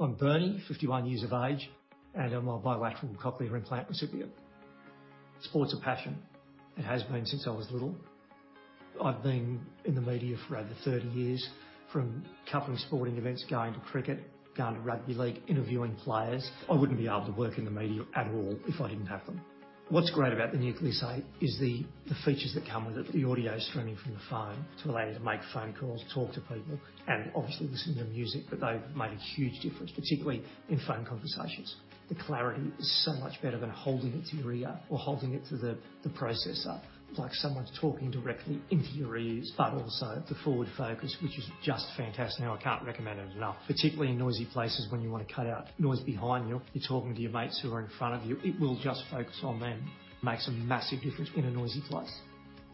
I'm Bernie, 51 years of age, and I'm a Bilateral Cochlear Implant recipient. Sport's a passion, and has been since I was little. I've been in the media for over 30 years, from covering sporting events, going to cricket, going to rugby league, interviewing players. I wouldn't be able to work in the media at all if I didn't have them. What's great about the Nucleus 8 is the features that come with it. The audio streaming from the phone to allow you to make phone calls, talk to people, and obviously listen to music. But they've made a huge difference, particularly in phone conversations. The clarity is so much better than holding it to your ear or holding it to the processor. It's like someone's talking directly into your ears, but also the Forward Focus, which is just fantastic. Now, I can't recommend it enough, particularly in noisy places, when you want to cut out noise behind you. You're talking to your mates who are in front of you, it will just focus on them. Makes a massive difference in a noisy place.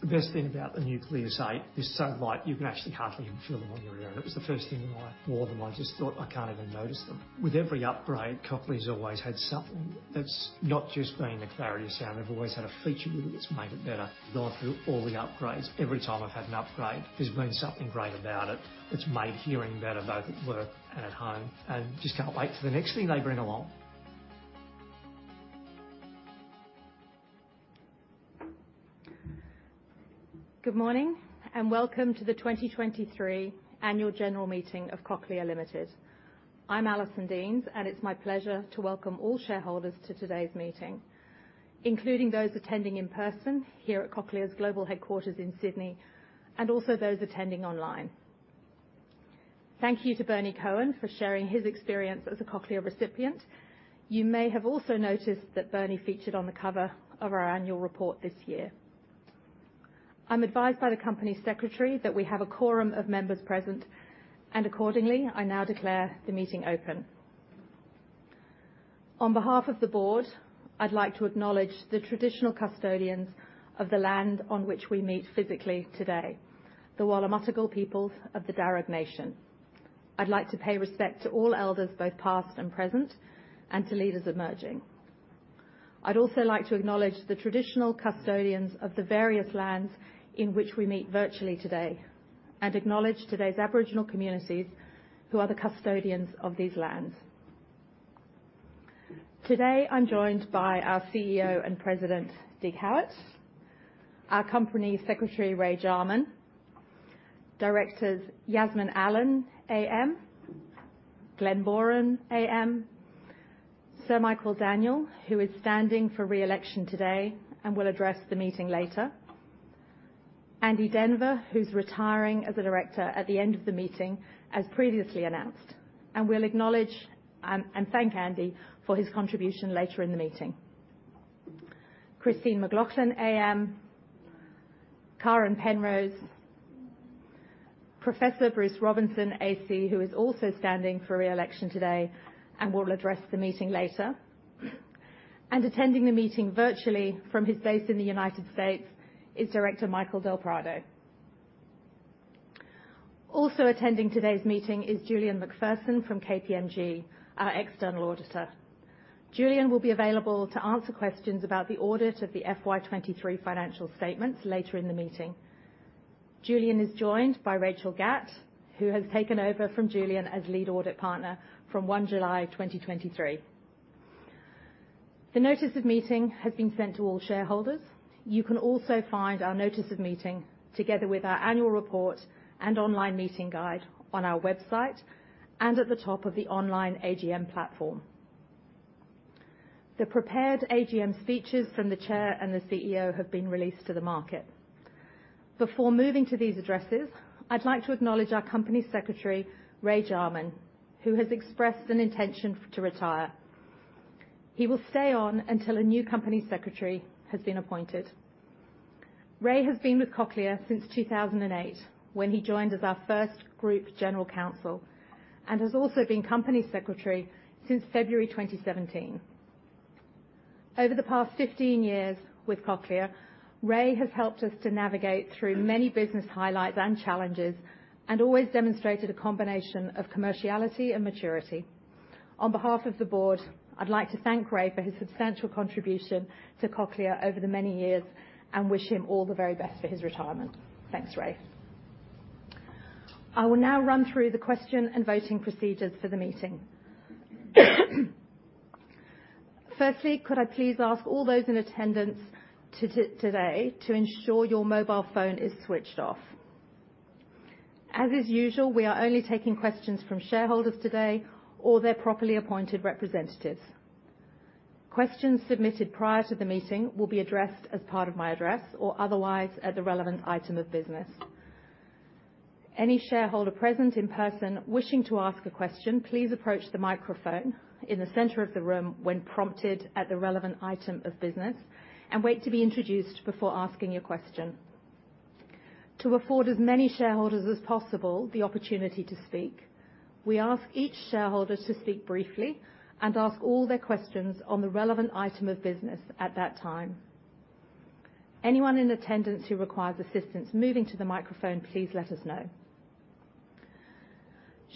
The best thing about the Nucleus 8, it's so light, you can actually hardly even feel them on your ear, and it was the first thing when I wore them, I just thought, "I can't even notice them." With every upgrade, Cochlear's always had something that's not just been the clarity of sound. They've always had a feature with it that's made it better. Gone through all the upgrades. Every time I've had an upgrade, there's been something great about it that's made hearing better, both at work and at home, and just can't wait for the next thing they bring along. Good morning, and welcome to the 2023 Annual General Meeting of Cochlear Limited. I'm Alison Deans, and it's my pleasure to welcome all shareholders to today's meeting, including those attending in person here at Cochlear's global headquarters in Sydney, and also those attending online. Thank you to Bernie Cohen for sharing his experience as a Cochlear recipient. You may have also noticed that Bernie featured on the cover of our annual report this year. I'm advised by the Company Secretary that we have a quorum of members present, and accordingly, I now declare the meeting open. On behalf of the board, I'd like to acknowledge the traditional custodians of the land on which we meet physically today, the Wallumattagal peoples of the Darug Nation. I'd like to pay respect to all elders, both past and present, and to leaders emerging. I'd also like to acknowledge the traditional custodians of the various lands in which we meet virtually today, and acknowledge today's Aboriginal communities who are the custodians of these lands. Today, I'm joined by our CEO and President, Dig Howitt; our Company Secretary, Ray Jarman; Directors Yasmin Allen, AM, Glen Boreham, AM, Sir Michael Daniell, who is standing for re-election today and will address the meeting later. Andy Denver, who's retiring as a director at the end of the meeting, as previously announced, and we'll acknowledge and thank Andy for his contribution later in the meeting. Christine McLoughlin, AM, Karen Penrose, Professor Bruce Robinson, AC, who is also standing for re-election today and will address the meeting later. Attending the meeting virtually from his base in the United States is Director Michael del Prado. Also attending today's meeting is Julian McPherson from KPMG, our external auditor. Julian will be available to answer questions about the audit of the FY 23 financial statements later in the meeting. Julian is joined by Rachel Gatt, who has taken over from Julian as Lead Audit Partner from 1 July 2023. The notice of meeting has been sent to all shareholders. You can also find our notice of meeting, together with our annual report and online meeting guide, on our website and at the top of the online AGM platform. The prepared AGM speeches from the Chair and the CEO have been released to the market. Before moving to these addresses, I'd like to acknowledge our Company Secretary, Ray Jarman, who has expressed an intention to retire. He will stay on until a new company secretary has been appointed. Ray has been with Cochlear since 2008, when he joined as our first Group General Counsel, and has also been Company Secretary since February 2017. Over the past 15 years with Cochlear, Ray has helped us to navigate through many business highlights and challenges, and always demonstrated a combination of commerciality and maturity. On behalf of the board, I'd like to thank Ray for his substantial contribution to Cochlear over the many years, and wish him all the very best for his retirement. Thanks, Ray. I will now run through the question and voting procedures for the meeting. Firstly, could I please ask all those in attendance today to ensure your mobile phone is switched off? As is usual, we are only taking questions from shareholders today or their properly appointed representatives. Questions submitted prior to the meeting will be addressed as part of my address, or otherwise, at the relevant item of business. Any shareholder present in person wishing to ask a question, please approach the microphone in the center of the room when prompted at the relevant item of business, and wait to be introduced before asking your question. To afford as many shareholders as possible the opportunity to speak, we ask each shareholder to speak briefly and ask all their questions on the relevant item of business at that time. Anyone in attendance who requires assistance moving to the microphone, please let us know.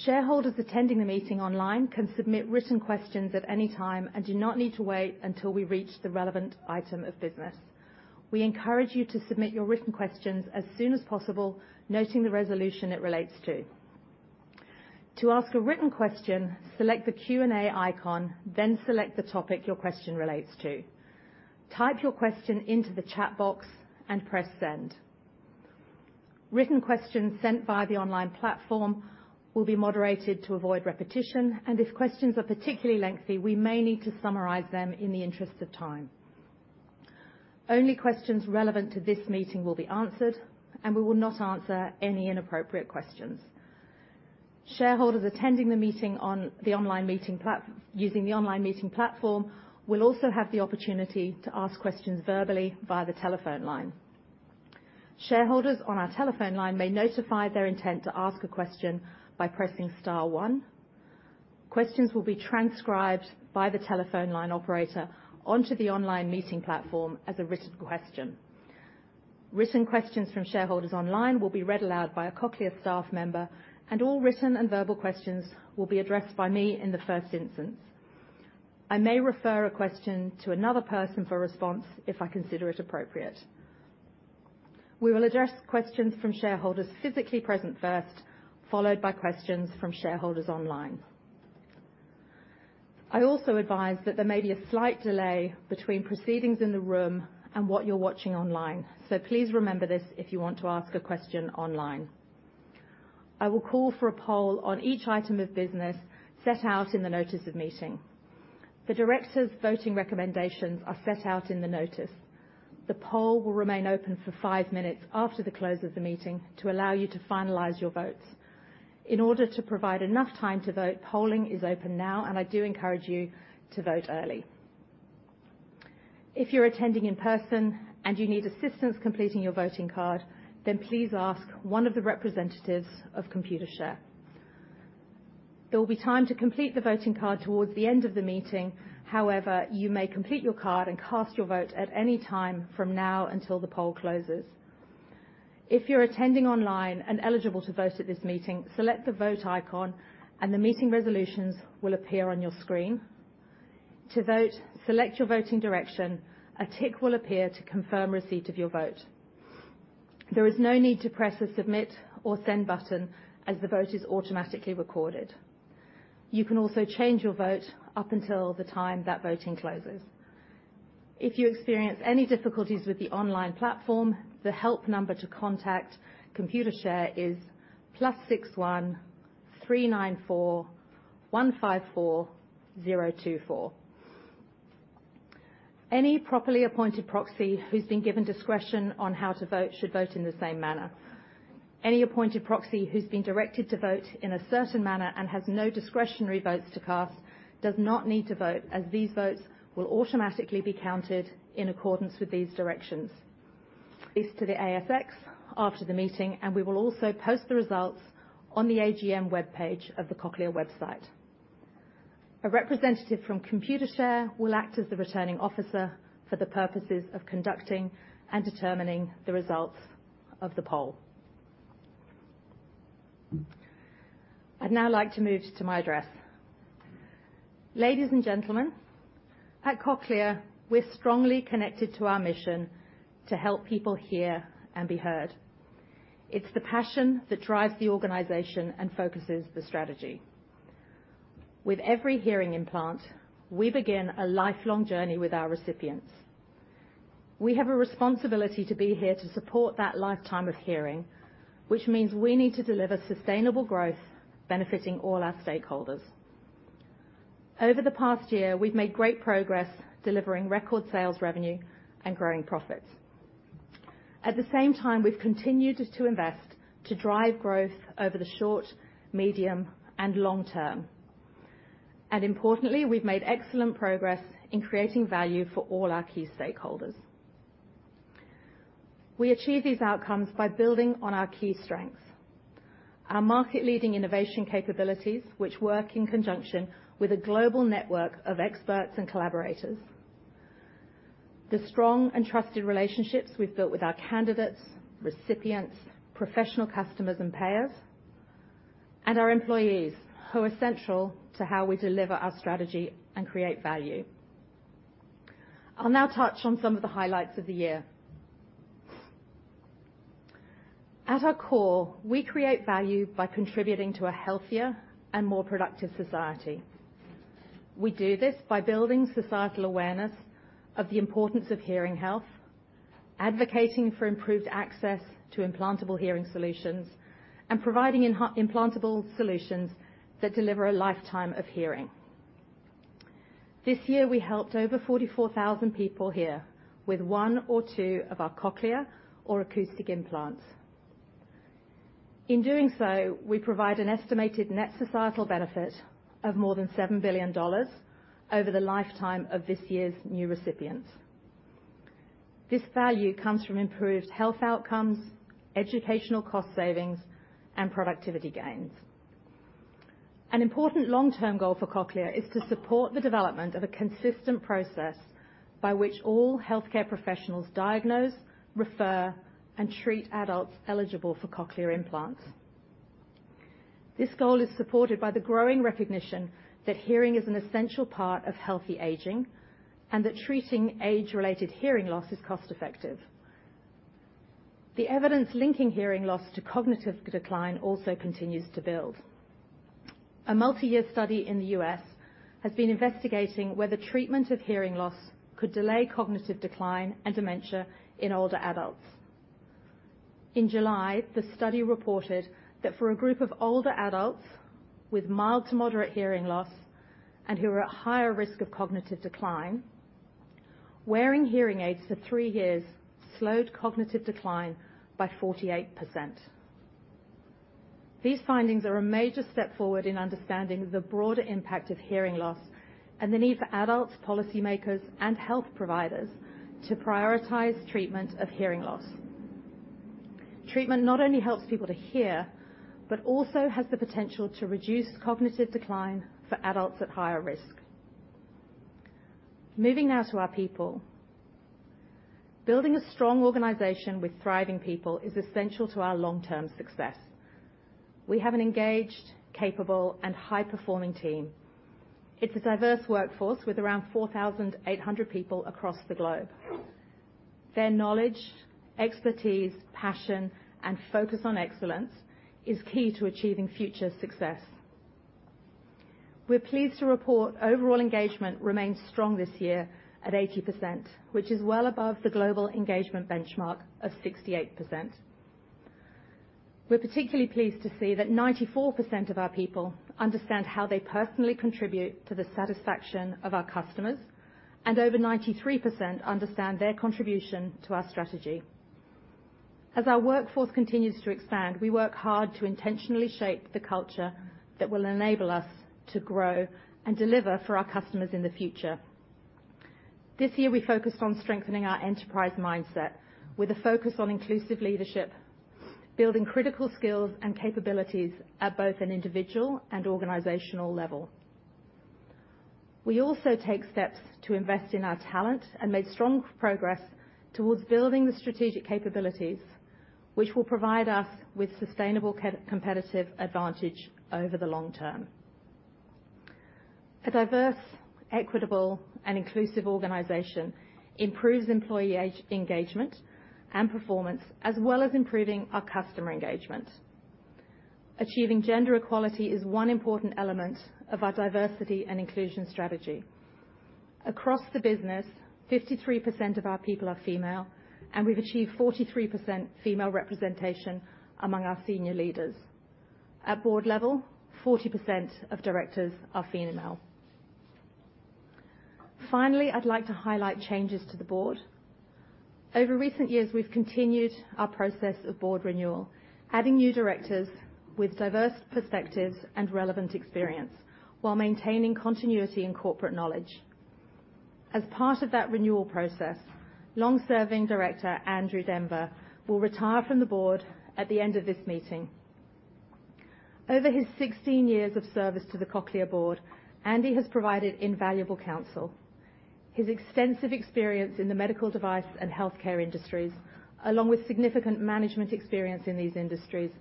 Shareholders attending the meeting online can submit written questions at any time and do not need to wait until we reach the relevant item of business... We encourage you to submit your written questions as soon as possible, noting the resolution it relates to. To ask a written question, select the Q&A icon, then select the topic your question relates to. Type your question into the chat box and press Send. Written questions sent via the online platform will be moderated to avoid repetition, and if questions are particularly lengthy, we may need to summarize them in the interest of time. Only questions relevant to this meeting will be answered, and we will not answer any inappropriate questions. Shareholders attending the meeting using the online meeting platform will also have the opportunity to ask questions verbally via the telephone line. Shareholders on our telephone line may notify their intent to ask a question by pressing star one. Questions will be transcribed by the telephone line operator onto the online meeting platform as a written question. Written questions from shareholders online will be read aloud by a Cochlear staff member, and all written and verbal questions will be addressed by me in the first instance. I may refer a question to another person for a response if I consider it appropriate. We will address questions from shareholders physically present first, followed by questions from shareholders online. I also advise that there may be a slight delay between proceedings in the room and what you're watching online, so please remember this if you want to ask a question online. I will call for a poll on each item of business set out in the notice of meeting. The directors' voting recommendations are set out in the notice. The poll will remain open for five minutes after the close of the meeting to allow you to finalize your votes. In order to provide enough time to vote, polling is open now, and I do encourage you to vote early. If you're attending in person and you need assistance completing your voting card, then please ask one of the representatives of Computershare. There will be time to complete the voting card towards the end of the meeting. However, you may complete your card and cast your vote at any time from now until the poll closes. If you're attending online and eligible to vote at this meeting, select the Vote icon, and the meeting resolutions will appear on your screen. To vote, select your voting direction. A tick will appear to confirm receipt of your vote. There is no need to press the Submit or Send button as the vote is automatically recorded. You can also change your vote up until the time that voting closes. If you experience any difficulties with the online platform, the help number to contact Computershare is +61 3 9415 4024. Any properly appointed proxy who's been given discretion on how to vote should vote in the same manner. Any appointed proxy who's been directed to vote in a certain manner and has no discretionary votes to cast does not need to vote, as these votes will automatically be counted in accordance with these directions. This to the ASX after the meeting, and we will also post the results on the AGM webpage of the Cochlear website. A representative from Computershare will act as the Returning Officer for the purposes of conducting and determining the results of the poll. I'd now like to move to my address. Ladies and gentlemen, at Cochlear, we're strongly connected to our mission to help people hear and be heard. It's the passion that drives the organization and focuses the strategy. With every hearing implant, we begin a lifelong journey with our recipients. We have a responsibility to be here to support that lifetime of hearing, which means we need to deliver sustainable growth, benefiting all our stakeholders. Over the past year, we've made great progress delivering record sales revenue and growing profits. At the same time, we've continued to invest to drive growth over the short, medium, and long term. Importantly, we've made excellent progress in creating value for all our key stakeholders. We achieve these outcomes by building on our key strengths. Our market-leading innovation capabilities, which work in conjunction with a global network of experts and collaborators, the strong and trusted relationships we've built with our candidates, recipients, professional customers, and payers, and our employees, who are central to how we deliver our strategy and create value. I'll now touch on some of the highlights of the year. At our core, we create value by contributing to a healthier and more productive society. We do this by building societal awareness of the importance of hearing health, advocating for improved access to implantable hearing solutions, and providing implantable solutions that deliver a lifetime of hearing. This year, we helped over 44,000 people hear with one or two of our Cochlear or acoustic implants. In doing so, we provide an estimated net societal benefit of more than $7 billion over the lifetime of this year's new recipients. This value comes from improved health outcomes, educational cost savings, and productivity gains. An important long-term goal for Cochlear is to support the development of a consistent process by which all healthcare professionals diagnose, refer, and treat adults eligible for cochlear implants… This goal is supported by the growing recognition that hearing is an essential part of healthy aging, and that treating age-related hearing loss is cost effective. The evidence linking hearing loss to cognitive decline also continues to build. A multi-year study in the U.S. has been investigating whether treatment of hearing loss could delay cognitive decline and dementia in older adults. In July, the study reported that for a group of older adults with mild to moderate hearing loss and who are at higher risk of cognitive decline, wearing hearing aids for three years slowed cognitive decline by 48%. These findings are a major step forward in understanding the broader impact of hearing loss and the need for adults, policymakers, and health providers to prioritize treatment of hearing loss. Treatment not only helps people to hear, but also has the potential to reduce cognitive decline for adults at higher risk. Moving now to our people. Building a strong organization with thriving people is essential to our long-term success. We have an engaged, capable, and high-performing team. It's a diverse workforce with around 4,800 people across the globe. Their knowledge, expertise, passion, and focus on excellence is key to achieving future success. We're pleased to report overall engagement remains strong this year at 80%, which is well above the global engagement benchmark of 68%. We're particularly pleased to see that 94% of our people understand how they personally contribute to the satisfaction of our customers, and over 93% understand their contribution to our strategy. As our workforce continues to expand, we work hard to intentionally shape the culture that will enable us to grow and deliver for our customers in the future. This year, we focused on strengthening our enterprise mindset, with a focus on inclusive leadership, building critical skills and capabilities at both an individual and organizational level. We also take steps to invest in our talent and made strong progress towards building the strategic capabilities, which will provide us with sustainable competitive advantage over the long term. A diverse, equitable, and inclusive organization improves employee engagement and performance, as well as improving our customer engagement. Achieving gender equality is one important element of our diversity and inclusion strategy. Across the business, 53% of our people are female, and we've achieved 43% female representation among our senior leaders. At board level, 40% of directors are female. Finally, I'd like to highlight changes to the board. Over recent years, we've continued our process of board renewal, adding new directors with diverse perspectives and relevant experience, while maintaining continuity and corporate knowledge. As part of that renewal process, long-serving director, Andrew Denver, will retire from the board at the end of this meeting. Over his 16 years of service to the Cochlear board, Andy has provided invaluable counsel. His extensive experience in the medical device and healthcare industries, along with significant management experience in these industries,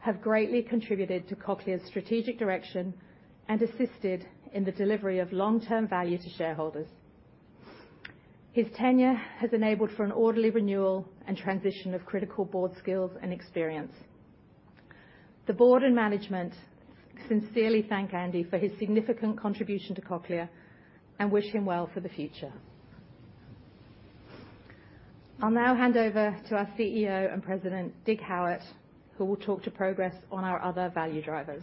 have greatly contributed to Cochlear's strategic direction and assisted in the delivery of long-term value to shareholders. His tenure has enabled for an orderly renewal and transition of critical board skills and experience. The board and management sincerely thank Andy for his significant contribution to Cochlear, and wish him well for the future. I'll now hand over to our Chief Executive Officer and President, Dig Howitt, who will talk to progress on our other value drivers.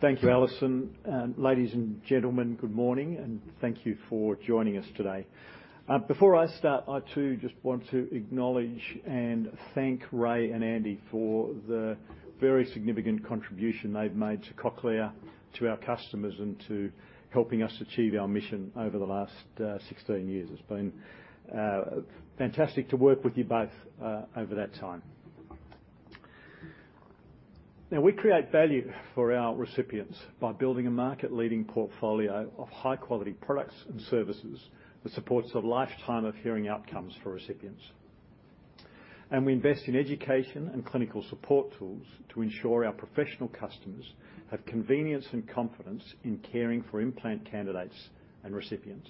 Thank you, Alison, and ladies and gentlemen, good morning, and thank you for joining us today. Before I start, I, too, just want to acknowledge and thank Ray and Andy for the very significant contribution they've made to Cochlear, to our customers, and to helping us achieve our mission over the last 16 years. It's been fantastic to work with you both over that time. Now, we create value for our recipients by building a market-leading portfolio of high-quality products and services that supports a lifetime of hearing outcomes for recipients. We invest in education and clinical support tools to ensure our professional customers have convenience and confidence in caring for implant candidates and recipients.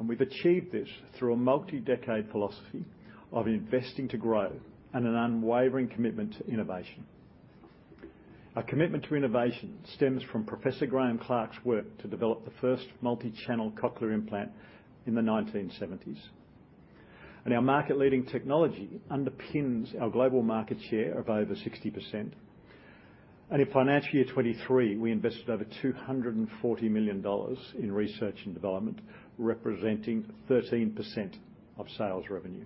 We've achieved this through a multi-decade philosophy of investing to grow and an unwavering commitment to innovation. Our commitment to innovation stems from Professor Graeme Clark's work to develop the first multi-channel cochlear implant in the 1970s, and our market-leading technology underpins our global market share of over 60%. In financial year 2023, we invested over 240 million dollars in research and development, representing 13% of sales revenue.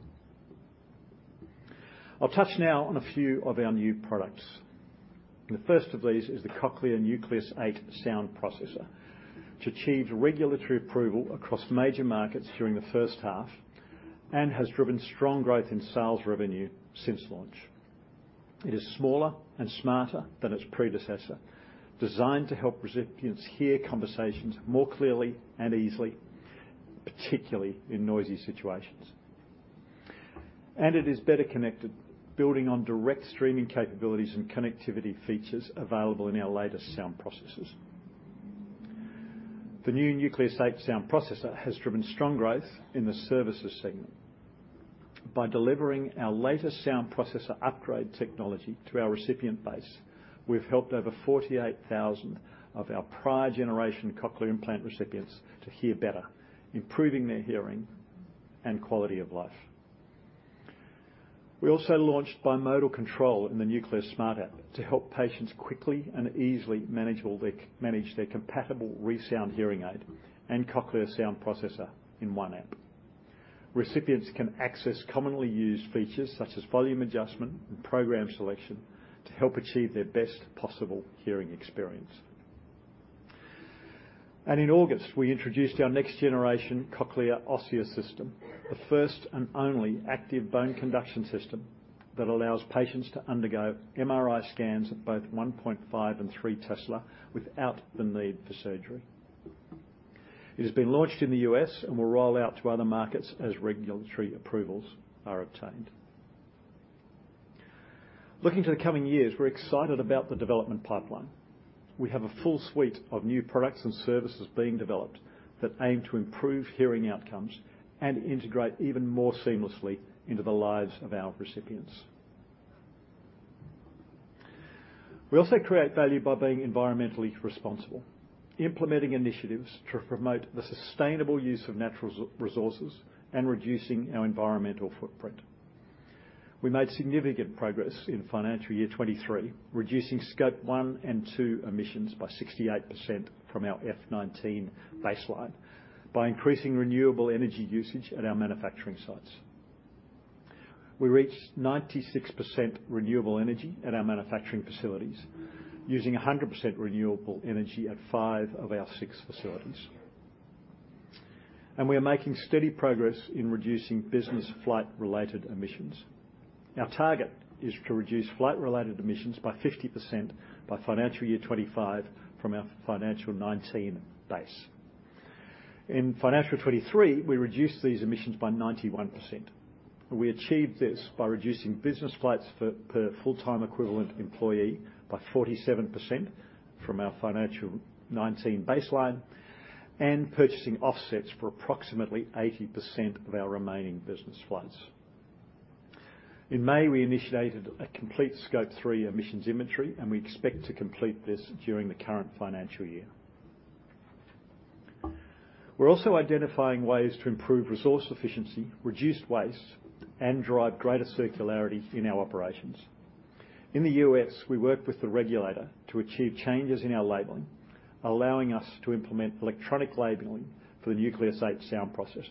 I'll touch now on a few of our new products. The first of these is the Cochlear Nucleus 8 Sound Processor, which achieved regulatory approval across major markets during the first half and has driven strong growth in sales revenue since launch. It is smaller and smarter than its predecessor, designed to help recipients hear conversations more clearly and easily, particularly in noisy situations. It is better connected, building on direct streaming capabilities and connectivity features available in our latest sound processors. The new Nucleus 8 Sound Processor has driven strong growth in the services segment. By delivering our latest sound processor upgrade technology to our recipient base, we've helped over 48,000 of our prior generation cochlear implant recipients to hear better, improving their hearing and quality of life. We also launched Bimodal Control in the Nucleus Smart App to help patients quickly and easily manage their compatible ReSound hearing aid and Cochlear sound processor in one app. Recipients can access commonly used features, such as volume adjustment and program selection, to help achieve their best possible hearing experience. And in August, we introduced our next generation Cochlear Osia System, the first and only active bone conduction system that allows patients to undergo MRI scans of both 1.5 and 3 Tesla without the need for surgery. It has been launched in the U.S. and will roll out to other markets as regulatory approvals are obtained. Looking to the coming years, we're excited about the development pipeline. We have a full suite of new products and services being developed that aim to improve hearing outcomes and integrate even more seamlessly into the lives of our recipients. We also create value by being environmentally responsible, implementing initiatives to promote the sustainable use of natural resources, and reducing our environmental footprint. We made significant progress in financial year 2023, reducing Scope 1 and 2 emissions by 68% from our FY19 baseline, by increasing renewable energy usage at our manufacturing sites. We reached 96% renewable energy at our manufacturing facilities, using 100% renewable energy at five of our six facilities. And we are making steady progress in reducing business flight-related emissions. Our target is to reduce flight-related emissions by 50% by financial year 2025 from our financial 2019 base. In financial 2023, we reduced these emissions by 91%. We achieved this by reducing business flights for per full-time equivalent employee by 47% from our financial 2019 baseline and purchasing offsets for approximately 80% of our remaining business flights. In May, we initiated a complete Scope 3 emissions inventory, and we expect to complete this during the current financial year. We're also identifying ways to improve resource efficiency, reduce waste, and drive greater circularity in our operations. In the U.S., we worked with the regulator to achieve changes in our labeling, allowing us to implement electronic labeling for the Nucleus 8 Sound Processor.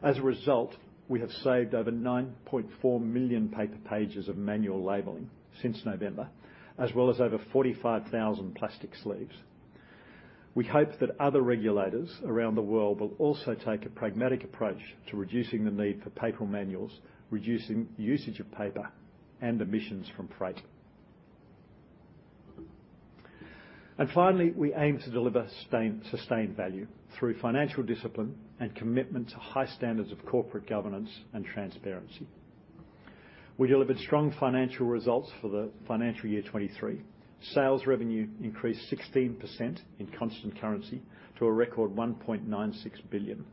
As a result, we have saved over 9.4 million paper pages of manual labeling since November, as well as over 45,000 plastic sleeves. We hope that other regulators around the world will also take a pragmatic approach to reducing the need for paper manuals, reducing usage of paper and emissions from freight. Finally, we aim to deliver sustained value through financial discipline and commitment to high standards of corporate governance and transparency. We delivered strong financial results for the financial year 2023. Sales revenue increased 16% in constant currency to a record 1.96 billion,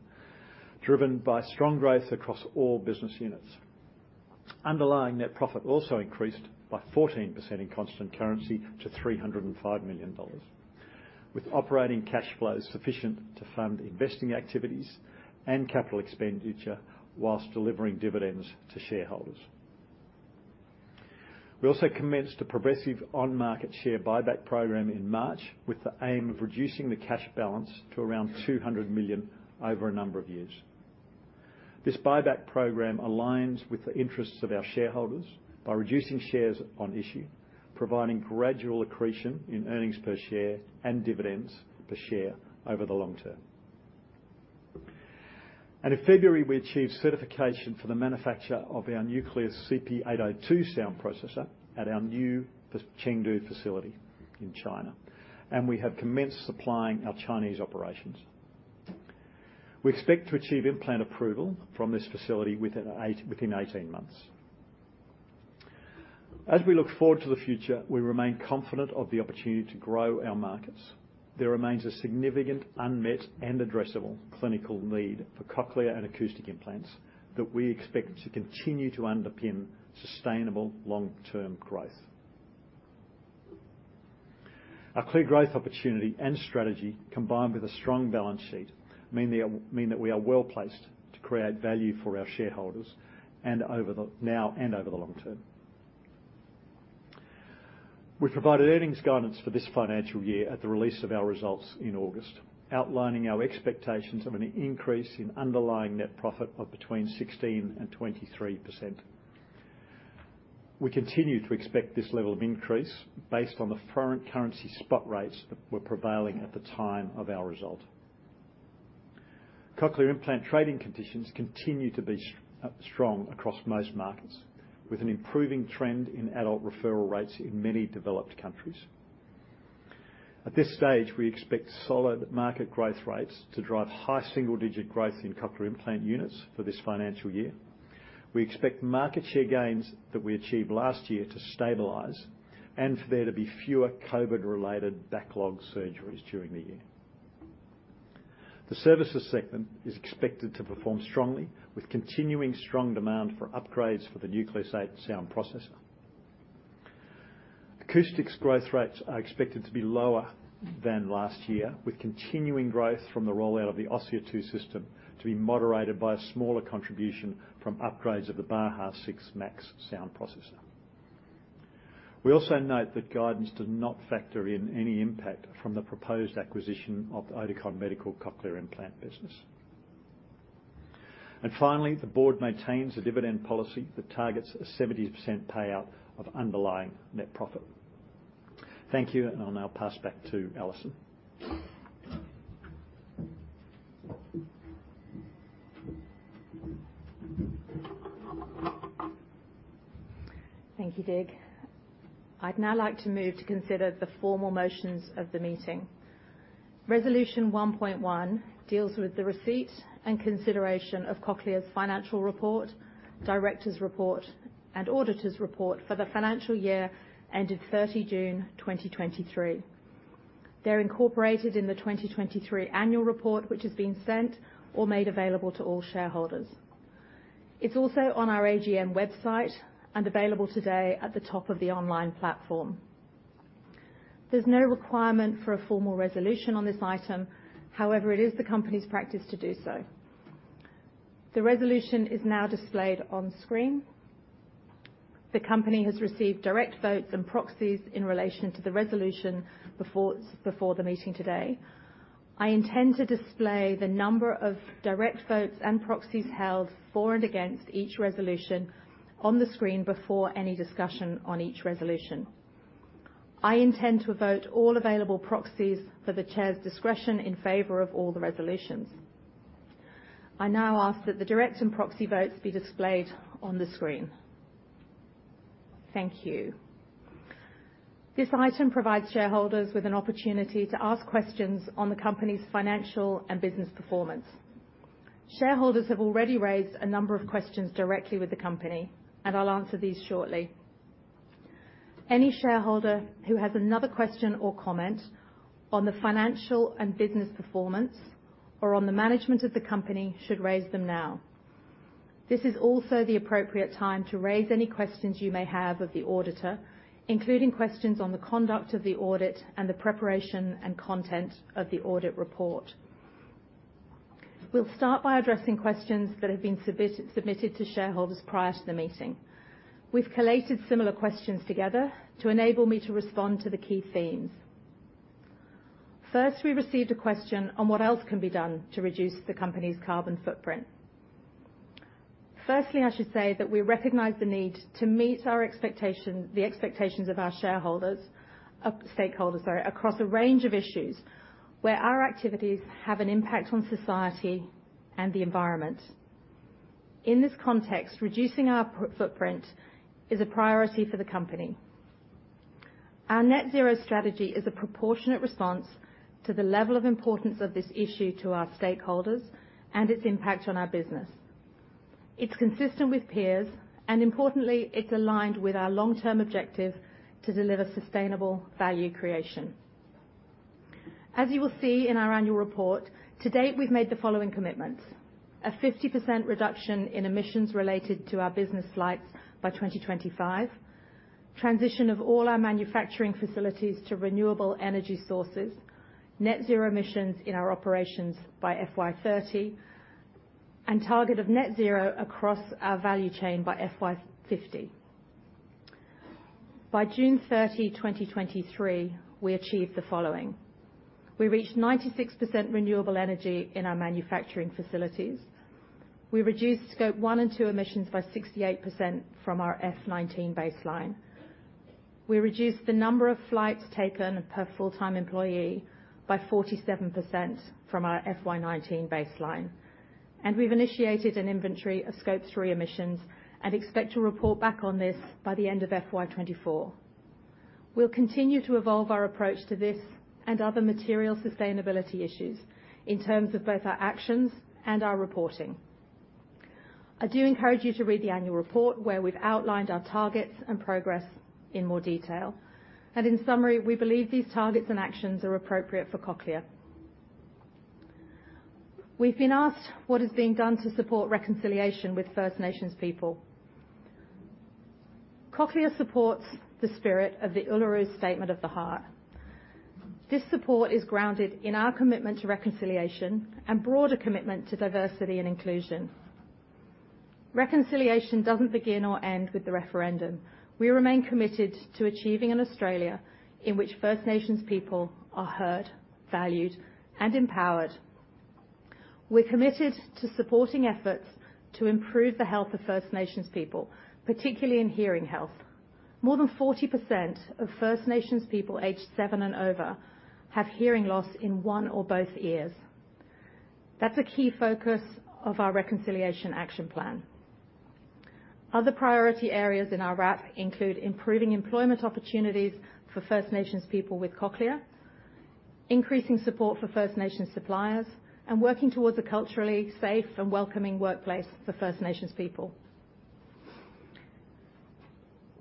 driven by strong growth across all business units. Underlying net profit also increased by 14% in constant currency to 305 million dollars, with operating cash flows sufficient to fund investing activities and capital expenditure while delivering dividends to shareholders. We also commenced a progressive on-market share buyback program in March, with the aim of reducing the cash balance to around 200 million over a number of years. This buyback program aligns with the interests of our shareholders by reducing shares on issue, providing gradual accretion in earnings per share and dividends per share over the long term. And in February, we achieved certification for the manufacture of our Nucleus CP802 Sound Processor at our new Chengdu facility in China, and we have commenced supplying our Chinese operations. We expect to achieve implant approval from this facility within 18 months. As we look forward to the future, we remain confident of the opportunity to grow our markets. There remains a significant unmet and addressable clinical need for cochlear and acoustic implants that we expect to continue to underpin sustainable long-term growth. A clear growth opportunity and strategy, combined with a strong balance sheet, mean that we are well placed to create value for our shareholders and over the... now and over the long term. We provided earnings guidance for this financial year at the release of our results in August, outlining our expectations of an increase in underlying net profit of between 16% and 23%. We continue to expect this level of increase based on the foreign currency spot rates that were prevailing at the time of our results. Cochlear implant trading conditions continue to be strong across most markets, with an improving trend in adult referral rates in many developed countries. At this stage, we expect solid market growth rates to drive high single-digit growth in Cochlear implant units for this financial year. We expect market share gains that we achieved last year to stabilize, and for there to be fewer COVID-related backlog surgeries during the year. The services segment is expected to perform strongly, with continuing strong demand for upgrades for the Nucleus 8 Sound Processor. Acoustics growth rates are expected to be lower than last year, with continuing growth from the rollout of the Osia 2 system to be moderated by a smaller contribution from upgrades of the Baha 6 Max sound processor. We also note that guidance does not factor in any impact from the proposed acquisition of the Oticon Medical cochlear implant business. Finally, the board maintains a dividend policy that targets a 70% payout of underlying net profit. Thank you, and I'll now pass back to Alison. Thank you, Dig. I'd now like to move to consider the formal motions of the meeting. Resolution 1.1 deals with the receipt and consideration of Cochlear's financial report, directors' report, and auditors' report for the financial year ended 30th June 2023. They're incorporated in the 2023 annual report, which is being sent or made available to all shareholders. It's also on our AGM website and available today at the top of the online platform. There's no requirement for a formal resolution on this item. However, it is the company's practice to do so. The resolution is now displayed on screen. The company has received direct votes and proxies in relation to the resolution before the meeting today. I intend to display the number of direct votes and proxies held for and against each resolution on the screen before any discussion on each resolution. I intend to vote all available proxies for the Chair's discretion in favor of all the resolutions. I now ask that the direct and proxy votes be displayed on the screen. Thank you. This item provides shareholders with an opportunity to ask questions on the company's financial and business performance. Shareholders have already raised a number of questions directly with the company, and I'll answer these shortly. Any shareholder who has another question or comment on the financial and business performance or on the management of the company should raise them now. This is also the appropriate time to raise any questions you may have of the auditor, including questions on the conduct of the audit and the preparation and content of the audit report. We'll start by addressing questions that have been submitted to shareholders prior to the meeting. We've collated similar questions together to enable me to respond to the key themes. First, we received a question on what else can be done to reduce the company's carbon footprint. Firstly, I should say that we recognize the need to meet the expectations of our shareholders, stakeholders, sorry, across a range of issues where our activities have an impact on society and the environment. In this context, reducing our carbon footprint is a priority for the company. Our Net Zero strategy is a proportionate response to the level of importance of this issue to our stakeholders and its impact on our business. It's consistent with peers, and importantly, it's aligned with our long-term objective to deliver sustainable value creation. As you will see in our annual report, to date, we've made the following commitments: a 50% reduction in emissions related to our business flights by 2025, transition of all our manufacturing facilities to renewable energy sources, net zero emissions in our operations by FY30, and target of net zero across our value chain by FY50. By June 30th, 2023, we achieved the following: We reached 96% renewable energy in our manufacturing facilities. We reduced Scope 1 and 2 emissions by 68% from our FY19 baseline. We reduced the number of flights taken per full-time employee by 47% from our FY19 baseline, and we've initiated an inventory of Scope 3 emissions and expect to report back on this by the end of FY24. We'll continue to evolve our approach to this and other material sustainability issues in terms of both our actions and our reporting. I do encourage you to read the annual report, where we've outlined our targets and progress in more detail. In summary, we believe these targets and actions are appropriate for Cochlear. We've been asked what is being done to support reconciliation with First Nations people. Cochlear supports the spirit of the Uluru Statement from the Heart. This support is grounded in our commitment to reconciliation and broader commitment to diversity and inclusion. Reconciliation doesn't begin or end with the referendum. We remain committed to achieving an Australia in which First Nations people are heard, valued, and empowered. We're committed to supporting efforts to improve the health of First Nations people, particularly in hearing health.... More than 40% of First Nations people aged 7 and over have hearing loss in one or both ears. That's a key focus of our Reconciliation Action Plan. Other priority areas in our RAP include improving employment opportunities for First Nations people with Cochlear, increasing support for First Nations suppliers, and working towards a culturally safe and welcoming workplace for First Nations people.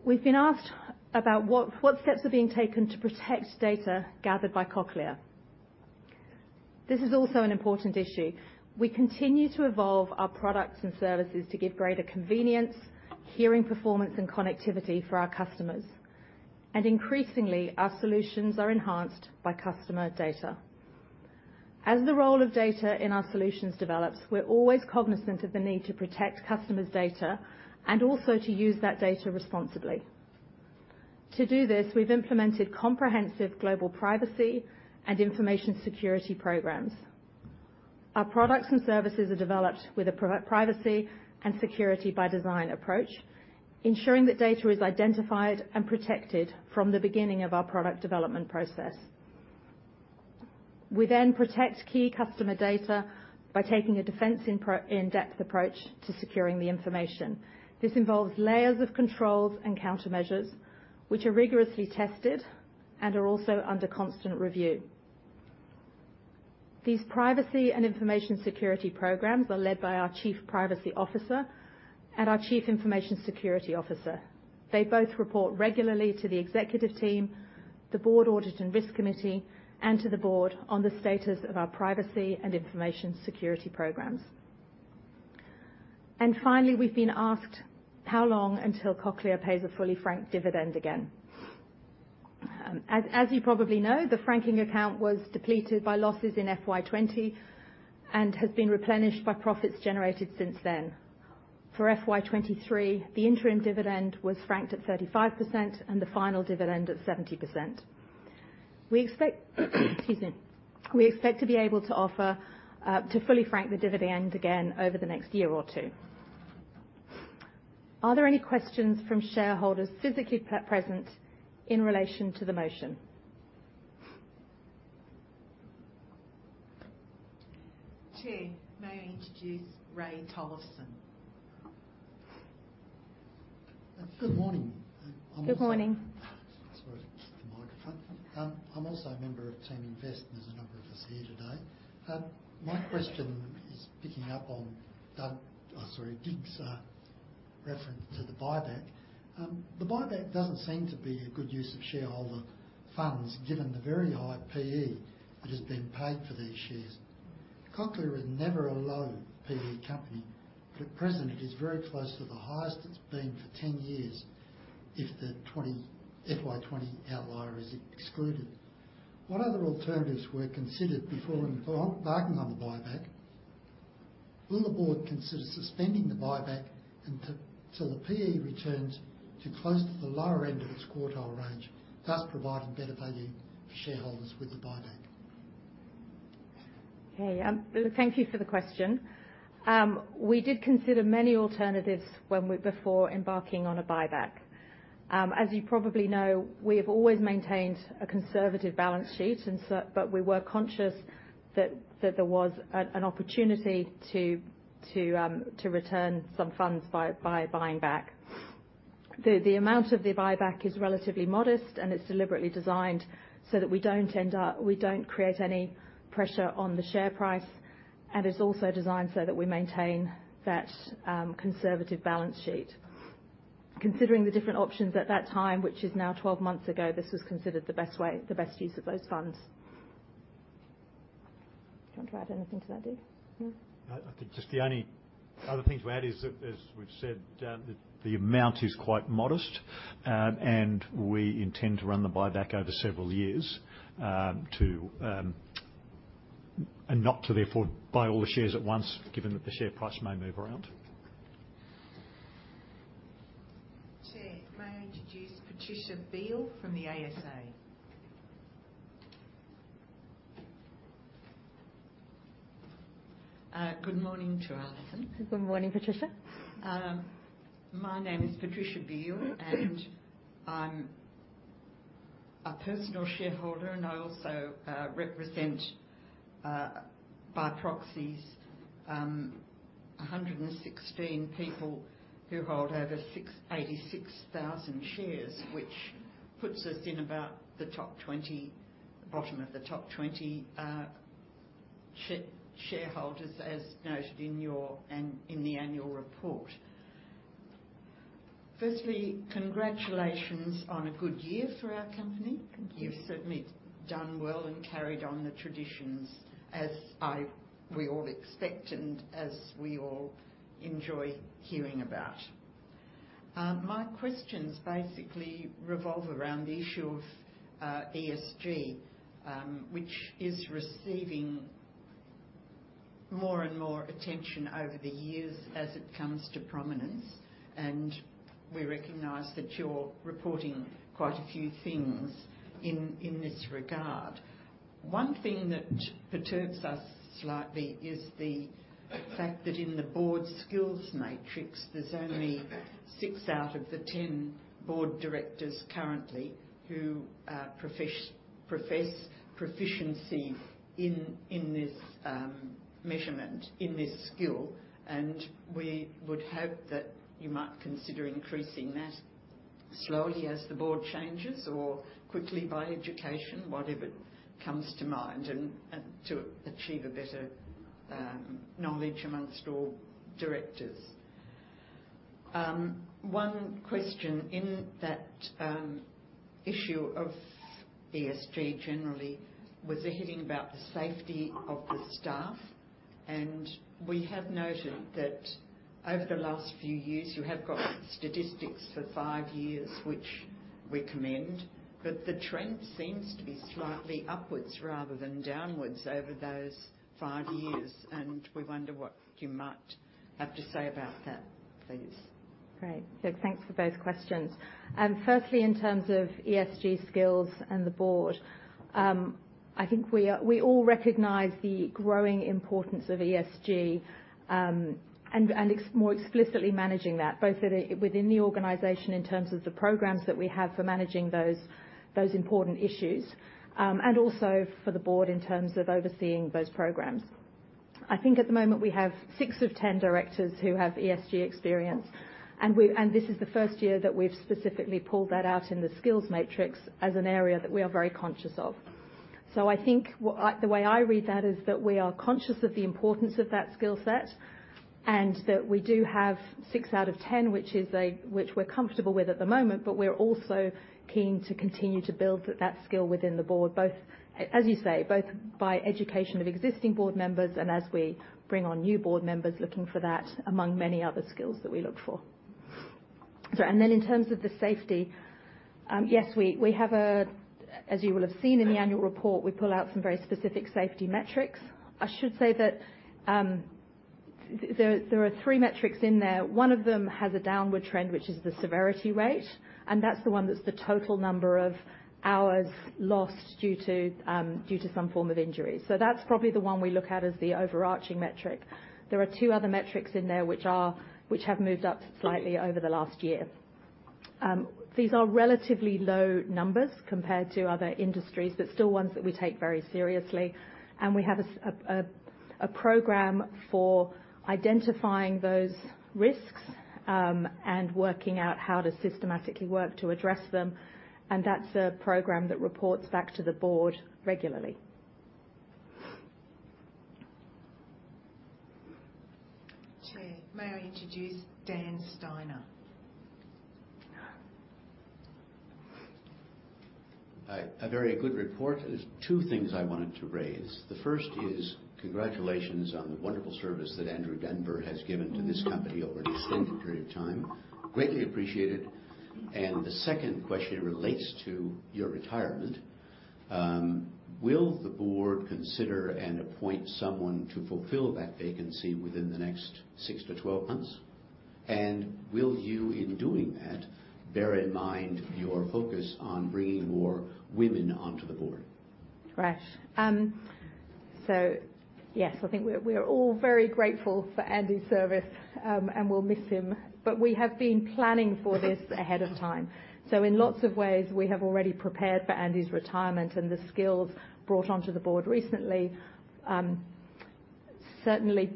We've been asked about what steps are being taken to protect data gathered by Cochlear. This is also an important issue. We continue to evolve our products and services to give greater convenience, hearing performance, and connectivity for our customers. And increasingly, our solutions are enhanced by customer data. As the role of data in our solutions develops, we're always cognizant of the need to protect customers' data and also to use that data responsibly. To do this, we've implemented comprehensive global privacy and information security programs. Our products and services are developed with a privacy and security by design approach, ensuring that data is identified and protected from the beginning of our product development process. We then protect key customer data by taking a defense in depth approach to securing the information. This involves layers of controls and countermeasures, which are rigorously tested and are also under constant review. These privacy and information security programs are led by our Chief Privacy Officer and our Chief Information Security Officer. They both report regularly to the executive team, the Board Audit and Risk Committee, and to the board on the status of our privacy and information security programs. And finally, we've been asked how long until Cochlear pays a fully franked dividend again? As you probably know, the franking account was depleted by losses in FY 2020 and has been replenished by profits generated since then. For FY 2023, the interim dividend was franked at 35% and the final dividend at 70%. We expect, excuse me. We expect to be able to offer to fully frank the dividend again over the next year or two. Are there any questions from shareholders physically present in relation to the motion? Chair, may I introduce Ray Tolleson? Good morning. I'm- Good morning. Sorry, the microphone. I'm also a member of Team Invest, and there's a number of us here today. My question is picking up on, sorry, Dig's reference to the buyback. The buyback doesn't seem to be a good use of shareholder funds, given the very high PE that is being paid for these shares. Cochlear is never a low PE company, but at present it is very close to the highest it's been for 10 years, if the FY20 outlier is excluded. What other alternatives were considered before embarking on the buyback? Will the board consider suspending the buyback until the PE returns to close to the lower end of its quartile range, thus providing better value for shareholders with the buyback? Okay, thank you for the question. We did consider many alternatives before embarking on a buyback. As you probably know, we have always maintained a conservative balance sheet, but we were conscious that there was an opportunity to return some funds by buying back. The amount of the buyback is relatively modest, and it's deliberately designed so that we don't create any pressure on the share price, and it's also designed so that we maintain that conservative balance sheet. Considering the different options at that time, which is now 12 months ago, this was considered the best way, the best use of those funds. Do you want to add anything to that, Dig? Yeah. I think just the only other thing to add is that, as we've said, the amount is quite modest, and we intend to run the buyback over several years, and not to therefore buy all the shares at once, given that the share price may move around. Chair, may I introduce Patricia Beale from the ASA? Good morning, Alison. Good morning, Patricia. My name is Patricia Beale, and I'm a personal shareholder, and I also represent by proxies 116 people who hold over 686,000 shares, which puts us in about the top 20, bottom of the top 20 shareholders, as noted in your annual report. Firstly, congratulations on a good year for our company. Thank you. You've certainly done well and carried on the traditions as we all expect and as we all enjoy hearing about. My questions basically revolve around the issue of ESG, which is receiving more and more attention over the years as it comes to prominence, and we recognize that you're reporting quite a few things in this regard. One thing that perturbs us slightly is the fact that in the board skills matrix, there's only six out of the 10 board directors currently who profess proficiency in this measurement, in this skill. And we would hope that you might consider increasing that slowly as the board changes or quickly by education, whatever comes to mind, and to achieve a better knowledge amongst all directors. One question in that issue of ESG generally was the hearing about the safety of the staff, and we have noted that over the last few years, you have got statistics for five years, which we commend, but the trend seems to be slightly upwards rather than downwards over those five years, and we wonder what you might have to say about that, please. Great. So thanks for both questions. Firstly, in terms of ESG skills and the board, I think we are, we all recognize the growing importance of ESG, and, and ex-- more explicitly managing that, both at a, within the organization in terms of the programs that we have for managing those, those important issues, and also for the board in terms of overseeing those programs. I think at the moment, we have six of 10 directors who have ESG experience, and we, and this is the first year that we've specifically pulled that out in the skills matrix as an area that we are very conscious of. So I think what I... The way I read that is that we are conscious of the importance of that skill set, and that we do have six out of 10, which we're comfortable with at the moment, but we're also keen to continue to build that skill within the board, both, as you say, both by education of existing board members and as we bring on new board members looking for that, among many other skills that we look for. So and then in terms of the safety, yes, we have, as you will have seen in the annual report, we pull out some very specific safety metrics. I should say that, there are 3 metrics in there. One of them has a downward trend, which is the severity rate, and that's the one that's the total number of hours lost due to, due to some form of injury. So that's probably the one we look at as the overarching metric. There are two other metrics in there which are, which have moved up slightly over the last year. These are relatively low numbers compared to other industries, but still ones that we take very seriously, and we have a program for identifying those risks, and working out how to systematically work to address them, and that's a program that reports back to the board regularly. Chair, may I introduce Don Steiner? Hi. A very good report. There's two things I wanted to raise. The first is congratulations on the wonderful service that Andrew Denver has given to this company over an extended period of time. Greatly appreciated. And the second question relates to your retirement. Will the board consider and appoint someone to fulfill that vacancy within the next 6 months-12 months? And will you, in doing that, bear in mind your focus on bringing more women onto the board? Right. So, yes, I think we are, we are all very grateful for Andy's service, and we'll miss him, but we have been planning for this ahead of time. So in lots of ways, we have already prepared for Andy's retirement and the skills brought onto the board recently, certainly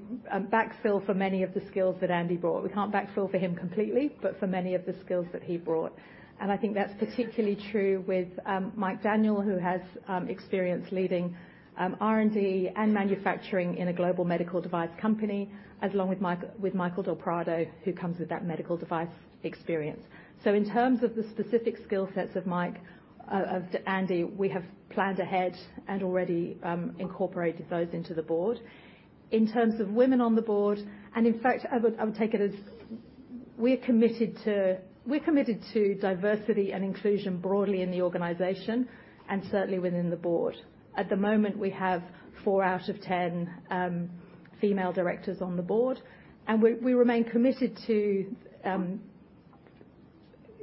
backfill for many of the skills that Andy brought. We can't backfill for him completely, but for many of the skills that he brought, and I think that's particularly true with Mike Daniel, who has experience leading R&D and manufacturing in a global medical device company, along with Michael del Prado, who comes with that medical device experience. So in terms of the specific skill sets of Mike of Andy, we have planned ahead and already incorporated those into the board. In terms of women on the board, and in fact, we're committed to diversity and inclusion broadly in the organization and certainly within the board. At the moment, we have four out of 10 female directors on the board, and we remain committed to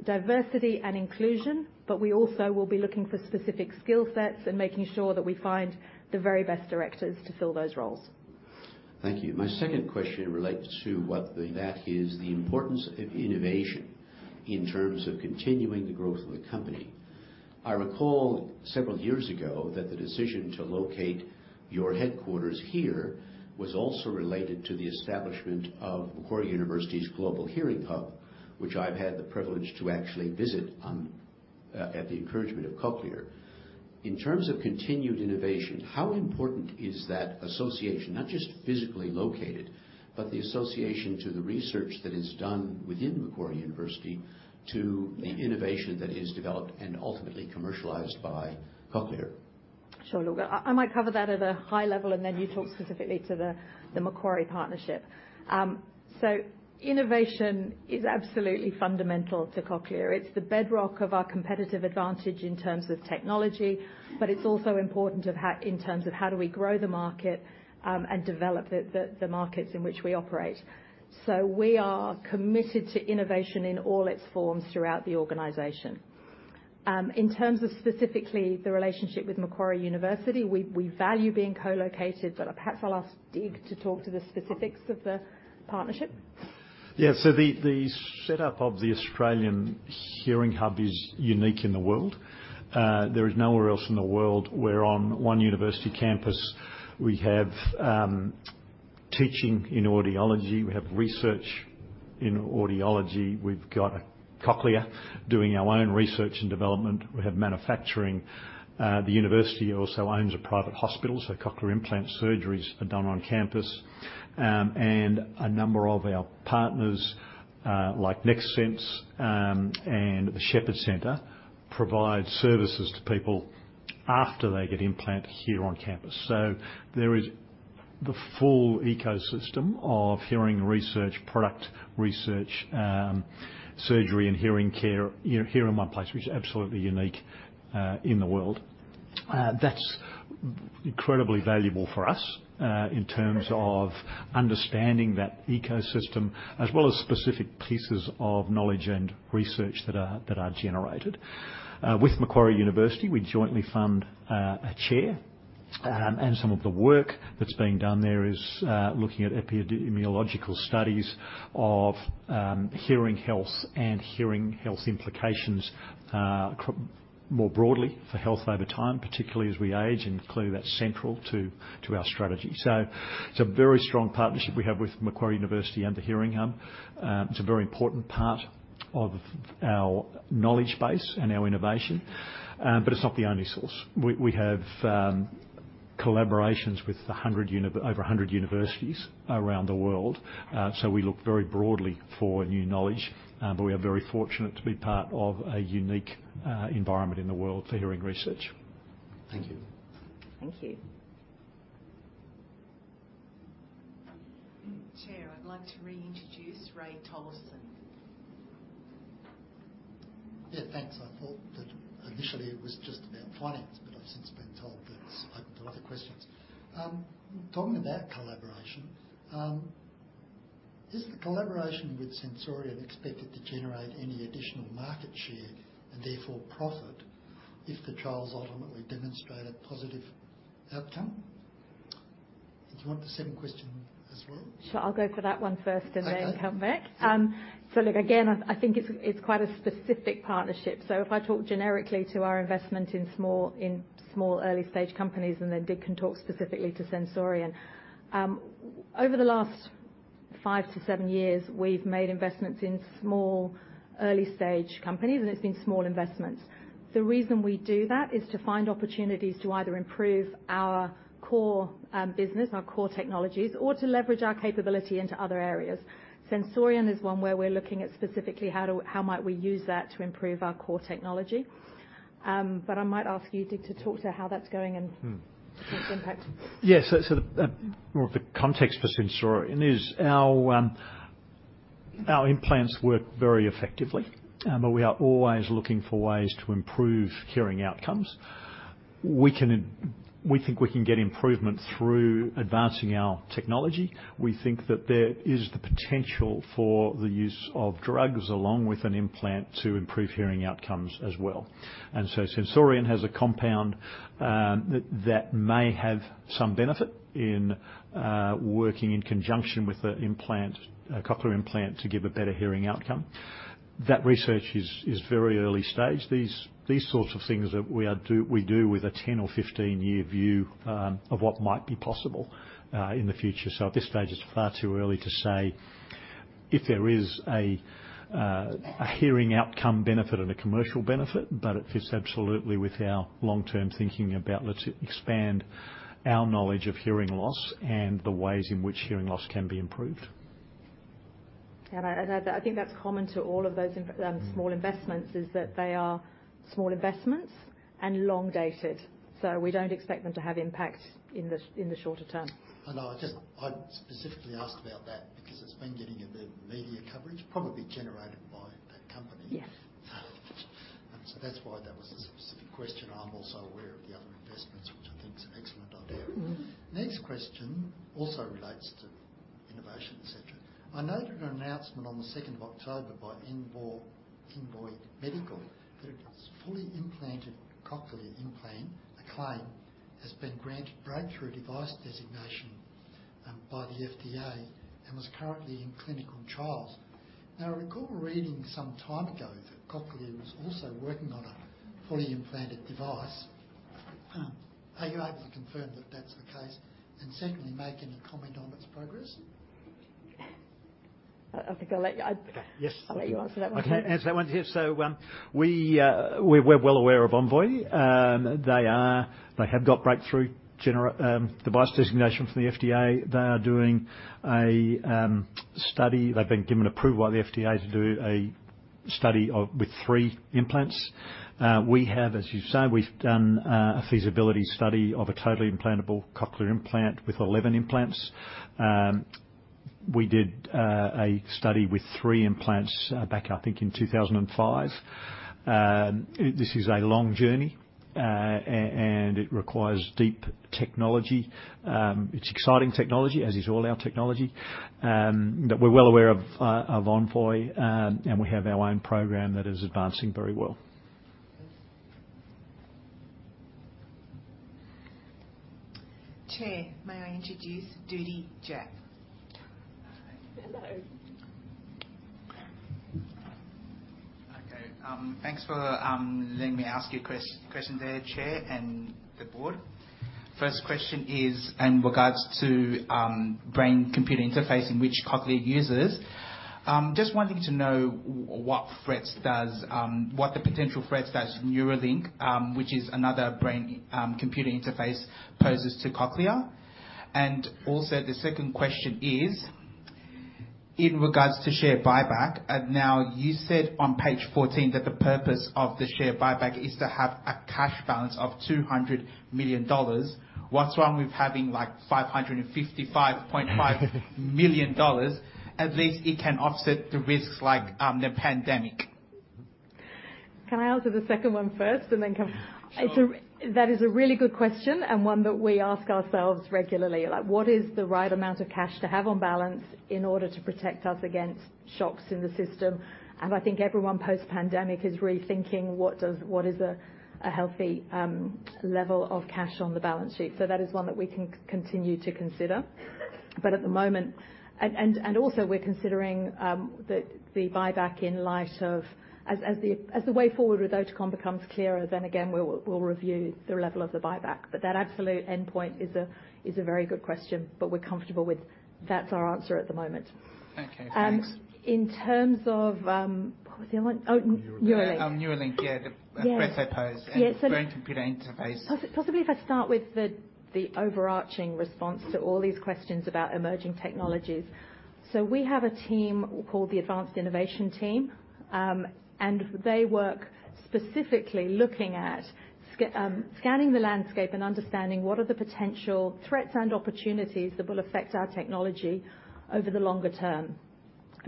diversity and inclusion, but we also will be looking for specific skill sets and making sure that we find the very best directors to fill those roles. Thank you. My second question relates to the importance of innovation in terms of continuing the growth of the company. I recall several years ago that the decision to locate your headquarters here was also related to the establishment of Macquarie University's Australian Hearing Hub, which I've had the privilege to actually visit on at the encouragement of Cochlear. In terms of continued innovation, how important is that association, not just physically located, but the association to the research that is done within Macquarie University to the innovation that is developed and ultimately commercialized by Cochlear? Sure, look, I, I might cover that at a high level, and then you talk specifically to the, the Macquarie partnership. So innovation is absolutely fundamental to Cochlear. It's the bedrock of our competitive advantage in terms of technology, but it's also important of how, in terms of how do we grow the market, and develop the, the, the markets in which we operate. So we are committed to innovation in all its forms throughout the organization. In terms of specifically the relationship with Macquarie University, we, we value being co-located, but perhaps I'll ask Dig to talk to the specifics of the partnership. Yeah. So the setup of the Australian Hearing Hub is unique in the world. There is nowhere else in the world where on one university campus, we have teaching in audiology, we have research in audiology, we've got Cochlear doing our own research and development, we have manufacturing. The university also owns a private hospital, so Cochlear implant surgeries are done on campus. And a number of our partners, like NextSense and the Shepherd Centre, provide services to people after they get implanted here on campus. So there is the full ecosystem of hearing research, product research, surgery, and hearing care here in one place, which is absolutely unique in the world. That's incredibly valuable for us in terms of understanding that ecosystem, as well as specific pieces of knowledge and research that are generated. With Macquarie University, we jointly fund a chair, and some of the work that's being done there is looking at epidemiological studies of hearing health and hearing health implications more broadly for health over time, particularly as we age, and clearly, that's central to our strategy. So it's a very strong partnership we have with Macquarie University and the Hearing Hub. It's a very important part of our knowledge base and our innovation, but it's not the only source. We have collaborations with over 100 universities around the world. So we look very broadly for new knowledge, but we are very fortunate to be part of a unique environment in the world for hearing research. Thank you. Thank you. Chair, I'd like to reintroduce Ray Jarman. Yeah, thanks. I thought that initially it was just about finance, but I've since been told that it's open to other questions. Talking about collaboration, is the collaboration with Sensorion expected to generate any additional market share and therefore profit, if the trials ultimately demonstrate a positive outcome? Do you want the second question as well? Sure. I'll go for that one first- Okay. - and then come back. So look, again, I think it's quite a specific partnership. So if I talk generically to our investment in small early-stage companies, and then Dig can talk specifically to Sensorion. Over the last five to seven years, we've made investments in small, early-stage companies, and it's been small investments. The reason we do that is to find opportunities to either improve our core business, our core technologies, or to leverage our capability into other areas. Sensorion is one where we're looking at specifically how might we use that to improve our core technology? But I might ask you, Dig, to talk to how that's going and- Mm. - its impact. Yes, so the more of the context for Sensorion is our implants work very effectively, but we are always looking for ways to improve hearing outcomes. We think we can get improvement through advancing our technology. We think that there is the potential for the use of drugs along with an implant to improve hearing outcomes as well. And so Sensorion has a compound that may have some benefit in working in conjunction with an implant, a cochlear implant, to give a better hearing outcome. That research is very early stage. These sorts of things that we do with a 10 or 15-year view of what might be possible in the future. So at this stage, it's far too early to say if there is a hearing outcome benefit and a commercial benefit, but it fits absolutely with our long-term thinking about let's expand our knowledge of hearing loss and the ways in which hearing loss can be improved. I think that's common to all of those in small investments is that they are small investments and long-dated, so we don't expect them to have impact in the shorter term. And I specifically asked about that because it's been getting a bit of media coverage, probably generated by that company. Yeah. So that's why that was a specific question. I'm also aware of the other investments, which I think is an excellent idea. Mm-hmm. Next question also relates to innovation, et cetera. I noted an announcement on the second of October by Envoy, Envoy Medical, that its fully implanted cochlear implant, Acclaim, has been granted breakthrough device designation by the FDA and was currently in clinical trials. Now, I recall reading some time ago that Cochlear was also working on a fully implanted device. Are you able to confirm that that's the case, and secondly, make any comment on its progress? I think I'll let you... Yes. I'll let you answer that one. I can answer that one. Yes. So, we're well aware of Envoy. They have got breakthrough device designation from the FDA. They are doing a study. They've been given approval by the FDA to do a study with three implants. We have, as you say, we've done a feasibility study of a totally implantable cochlear implant with 11 implants. We did a study with three implants back, I think, in 2005. And this is a long journey, and it requires deep technology. It's exciting technology, as is all our technology. But we're well aware of Envoy, and we have our own program that is advancing very well. Chair, may I introduce Judi Jack? Hello. Okay, thanks for letting me ask you a question there, Chair and the board. First question is in regards to brain computer interface in which Cochlear uses. Just wanting to know what threats does... What the potential threats does Neuralink, which is another brain computer interface, poses to Cochlear. And also, the second question is in regards to share buyback. And now, you said on page 14 that the purpose of the share buyback is to have a cash balance of 200 million dollars. What's wrong with having, like, 555.5 million dollars? At least it can offset the risks like the pandemic. Can I answer the second one first, and then come- Sure. That is a really good question, and one that we ask ourselves regularly. Like, what is the right amount of cash to have on balance in order to protect us against shocks in the system? And I think everyone, post-pandemic, is rethinking what is a healthy level of cash on the balance sheet. So that is one that we can continue to consider. But at the moment... Also, we're considering the buyback in light of... As the way forward with Oticon becomes clearer, then again, we'll review the level of the buyback. But that absolute endpoint is a very good question, but we're comfortable with that's our answer at the moment. Okay, thanks. In terms of, what was the other one? Oh, Neuralink. Neuralink, yeah. Yeah. The threat they pose- Yes, so- and brain-computer interface. Possibly if I start with the overarching response to all these questions about emerging technologies. So we have a team called the Advanced Innovation Team, and they work specifically looking at scanning the landscape and understanding what are the potential threats and opportunities that will affect our technology over the longer term.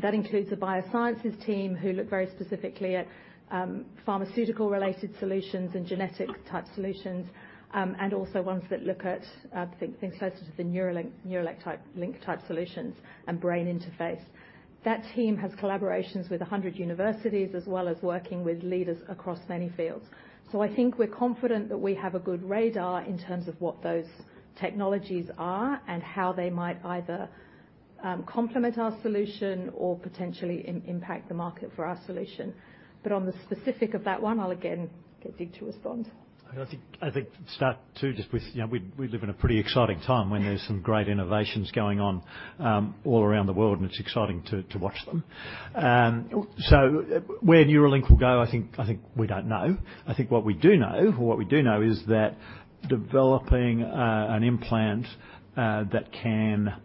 That includes a biosciences team, who look very specifically at pharmaceutical-related solutions and genetic-type solutions, and also ones that look at things closer to the Neuralink-type solutions and brain interface. That team has collaborations with 100 universities, as well as working with leaders across many fields. So I think we're confident that we have a good radar in terms of what those technologies are, and how they might either complement our solution or potentially impact the market for our solution. But on the specifics of that one, I'll again get Dig to respond. I think, I think to start, too, just with, you know, we, we live in a pretty exciting time when there's some great innovations going on, all around the world, and it's exciting to, to watch them. So where Neuralink will go, I think, I think we don't know. I think what we do know, or what we do know, is that developing, an implant, that can...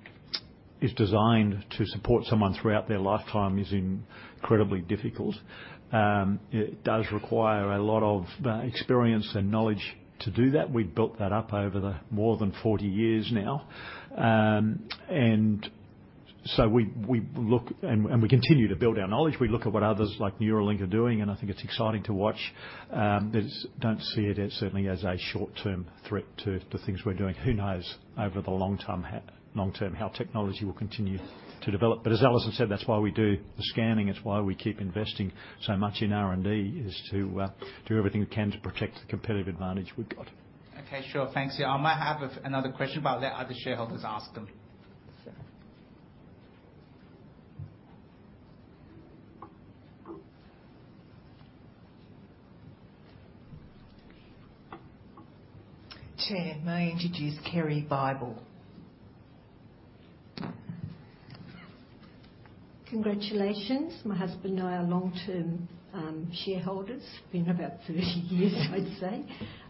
is designed to support someone throughout their lifetime is incredibly difficult. It does require a lot of, experience and knowledge to do that. We've built that up over the more than 40 years now. And so we, we look, and, and we continue to build our knowledge. We look at what others like Neuralink are doing, and I think it's exciting to watch. But don't see it as, certainly as a short-term threat to, to things we're doing. Who knows, over the long term, long term, how technology will continue to develop? But as Alison said, that's why we do the scanning. It's why we keep investing so much in R&D, is to, do everything we can to protect the competitive advantage we've got. Okay, sure. Thanks. Yeah, I might have another question, but I'll let other shareholders ask them. Chair, may I introduce Kerry Bible? Congratulations. My husband and I are long-term shareholders. Been about 30 years, I'd say,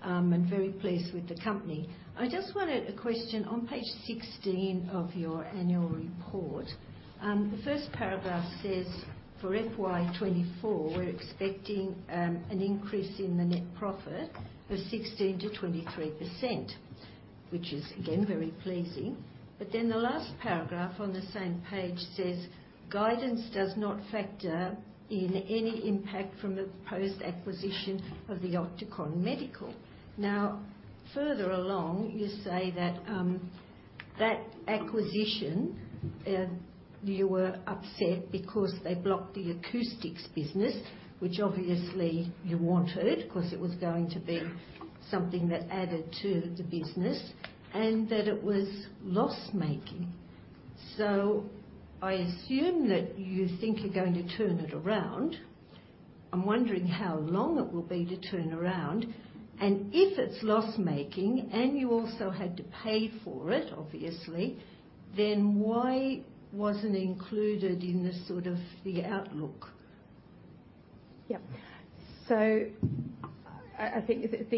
and very pleased with the company. I just wanted a question. On page 16 of your annual report, the first paragraph says, "For FY 2024, we're expecting an increase in the net profit of 16%-23%," which is again, very pleasing. But then the last paragraph on the same page says: "Guidance does not factor in any impact from the proposed acquisition of the Oticon Medical." Now, further along, you say that that acquisition, you were upset because they blocked the acoustics business, which obviously you wanted, 'cause it was going to be something that added to the business, and that it was loss-making. So I assume that you think you're going to turn it around. I'm wondering how long it will be to turn around, and if it's loss-making, and you also had to pay for it, obviously, then why wasn't it included in the sort of the outlook? Yeah. So if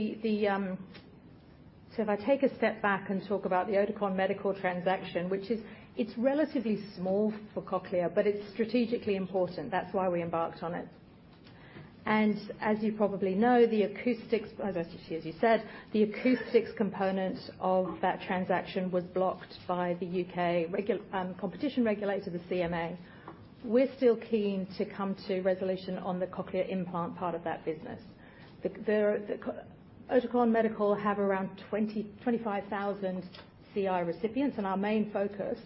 I take a step back and talk about the Oticon Medical transaction, which is, it's relatively small for Cochlear, but it's strategically important. That's why we embarked on it. And as you probably know, the acoustics, just as you said, the acoustics component of that transaction was blocked by the UK competition regulator, the CMA. We're still keen to come to resolution on the cochlear implant part of that business. There, Oticon Medical have around 20,000-25,000 CI recipients, and our main focus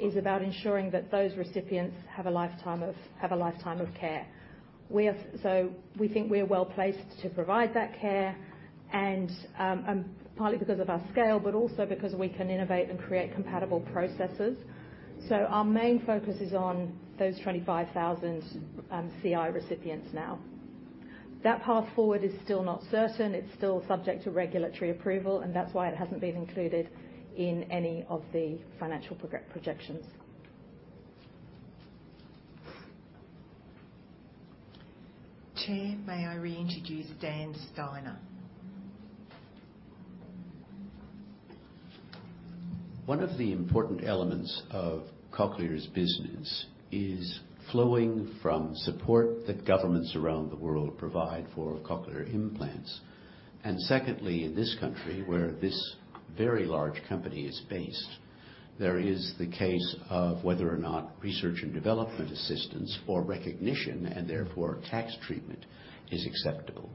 is about ensuring that those recipients have a lifetime of care. So we think we are well-placed to provide that care, and partly because of our scale, but also because we can innovate and create compatible processes. So our main focus is on those 25,000 CI recipients now. That path forward is still not certain. It's still subject to regulatory approval, and that's why it hasn't been included in any of the financial projections. Chair, may I reintroduce Dan Steiner? One of the important elements of Cochlear's business is flowing from support that governments around the world provide for cochlear implants. And secondly, in this country, where this very large company is based, there is the case of whether or not research and development assistance or recognition, and therefore tax treatment, is acceptable.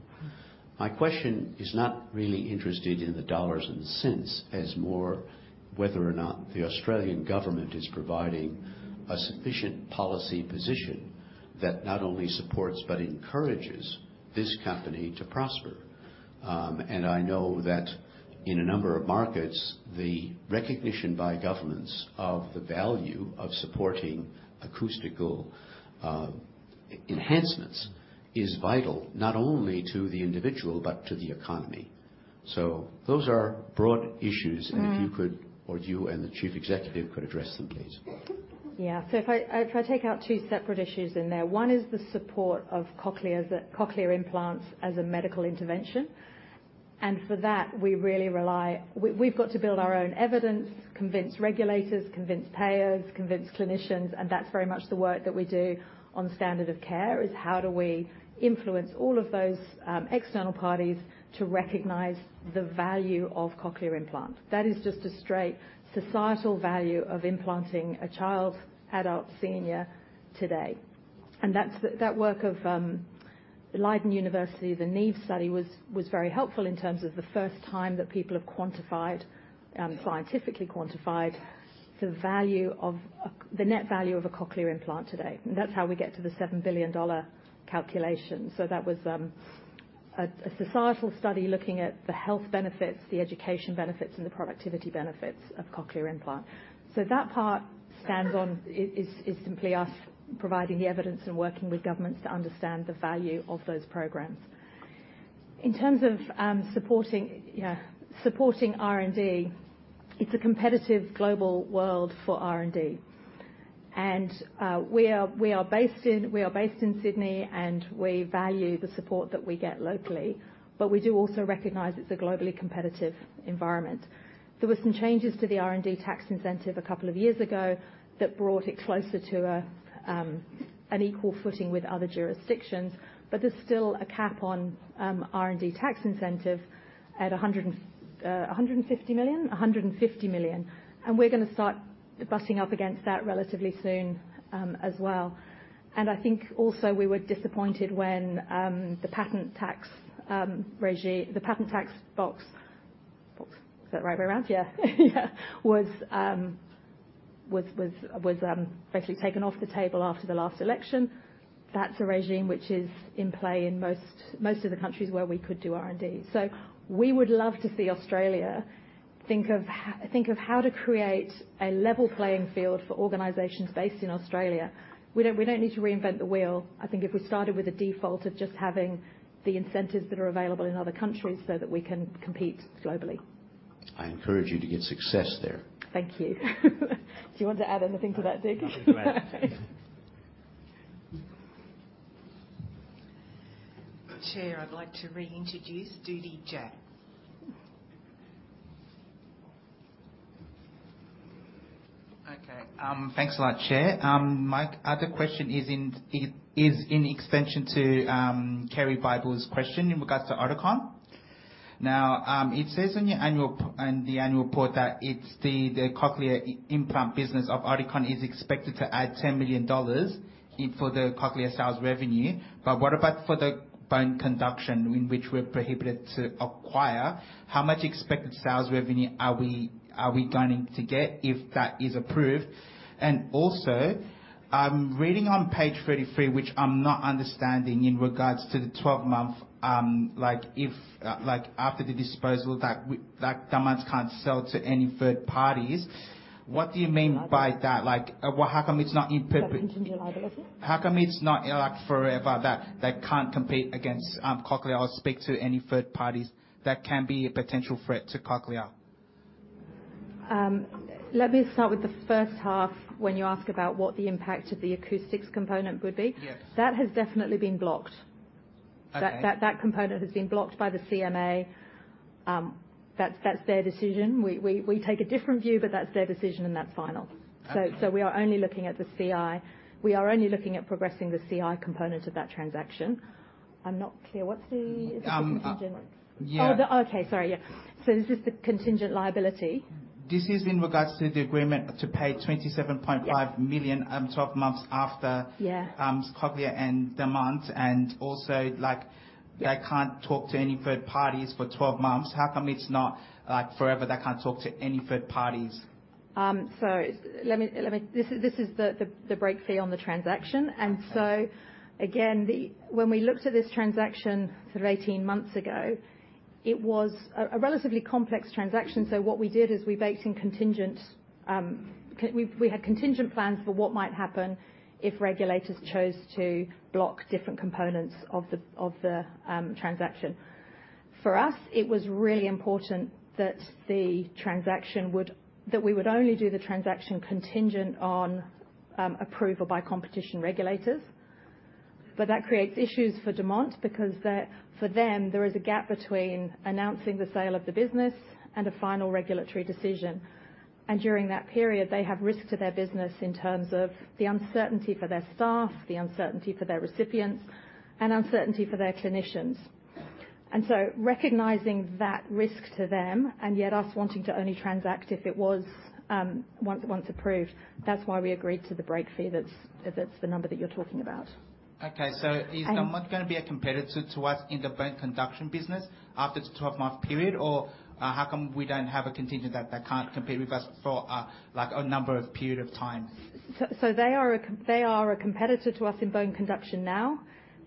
My question is not really interested in the dollars and cents, as more whether or not the Australian government is providing a sufficient policy position that not only supports, but encourages this company to prosper. I know that in a number of markets, the recognition by governments of the value of supporting acoustical enhancements is vital, not only to the individual, but to the economy. So those are broad issues. Mm-hmm. If you could, or you and the Chief Executive could address them, please. Yeah. So if I take out two separate issues in there. One is the support of Cochlear as a... Cochlear implants as a medical intervention, and for that, we really rely. We've got to build our own evidence, convince regulators, convince payers, convince clinicians, and that's very much the work that we do on standard of care, is how do we influence all of those, external parties to recognize the value of cochlear implant? That is just a straight societal value of implanting a child, adult, senior today. And that's that work of Leiden University, the NEED study, was very helpful in terms of the first time that people have quantified, scientifically quantified the value of a, the net value of a cochlear implant today. And that's how we get to the $7 billion calculation. That was a societal study looking at the health benefits, the education benefits, and the productivity benefits of Cochlear implant. So that part stands on, it is, it's simply us providing the evidence and working with governments to understand the value of those programs. In terms of supporting R&D, it's a competitive global world for R&D. And we are based in Sydney, and we value the support that we get locally, but we do also recognize it's a globally competitive environment. There were some changes to the R&D tax incentive a couple of years ago that brought it closer to an equal footing with other jurisdictions, but there's still a cap on R&D tax incentive at 150 million. We're going to start butting up against that relatively soon, as well. I think also we were disappointed when the Patent Box, is that right way around? Yeah. Yeah, was basically taken off the table after the last election. That's a regime which is in play in most of the countries where we could do R&D. So we would love to see Australia think of how to create a level playing field for organizations based in Australia. We don't need to reinvent the wheel. I think if we started with a default of just having the incentives that are available in other countries so that we can compete globally. I encourage you to get success there. Thank you. Do you want to add anything to that, Dig? Chair, I'd like to reintroduce Dudie Jack. Okay, thanks a lot, Chair. My other question is in extension to Kerry Bible's question in regards to Oticon. Now, it says in your annual report that it's the cochlear implant business of Oticon is expected to add 10 million dollars in for the Cochlear sales revenue. But what about for the bone conduction, in which we're prohibited to acquire? How much expected sales revenue are we going to get if that is approved? And also, I'm reading on page 33, which I'm not understanding in regards to the 12-month, like, after the disposal, that Demant can't sell to any third parties. What do you mean by that? Like, well, how come it's not in perpet- Contingent liability. How come it's not, like, forever, that they can't compete against Cochlear or speak to any third parties that can be a potential threat to Cochlear? Let me start with the first half, when you ask about what the impact of the acoustics component would be. Yes. That has definitely been blocked. Okay. That component has been blocked by the CMA. That's their decision. We take a different view, but that's their decision, and that's final. Okay. So, we are only looking at the CI. We are only looking at progressing the CI component of that transaction. I'm not clear what the- Um, yeah. Oh, okay, sorry, yeah. So is this the contingent liability? This is in regards to the agreement to pay 27.5- Yeah... million, 12 months after- Yeah Cochlear and Demant, and also, like, they can't talk to any third parties for 12 months. How come it's not, like, forever, they can't talk to any third parties? So this is the break fee on the transaction. So, again, when we looked at this transaction sort of 18 months ago, it was a relatively complex transaction. So what we did is we baked in contingent plans for what might happen if regulators chose to block different components of the transaction. For us, it was really important that we would only do the transaction contingent on approval by competition regulators. But that creates issues for Demant, because for them, there is a gap between announcing the sale of the business and a final regulatory decision. And during that period, they have risk to their business in terms of the uncertainty for their staff, the uncertainty for their recipients, and uncertainty for their clinicians. So recognizing that risk to them, and yet us wanting to only transact if it was once approved, that's why we agreed to the break fee. That's the number that you're talking about. Okay. And- So is Demant going to be a competitor to us in the bone conduction business after the 12-month period? Or, how come we don't have a contingent that can't compete with us for a, like, a number of period of time? So they are a competitor to us in bone conduction now,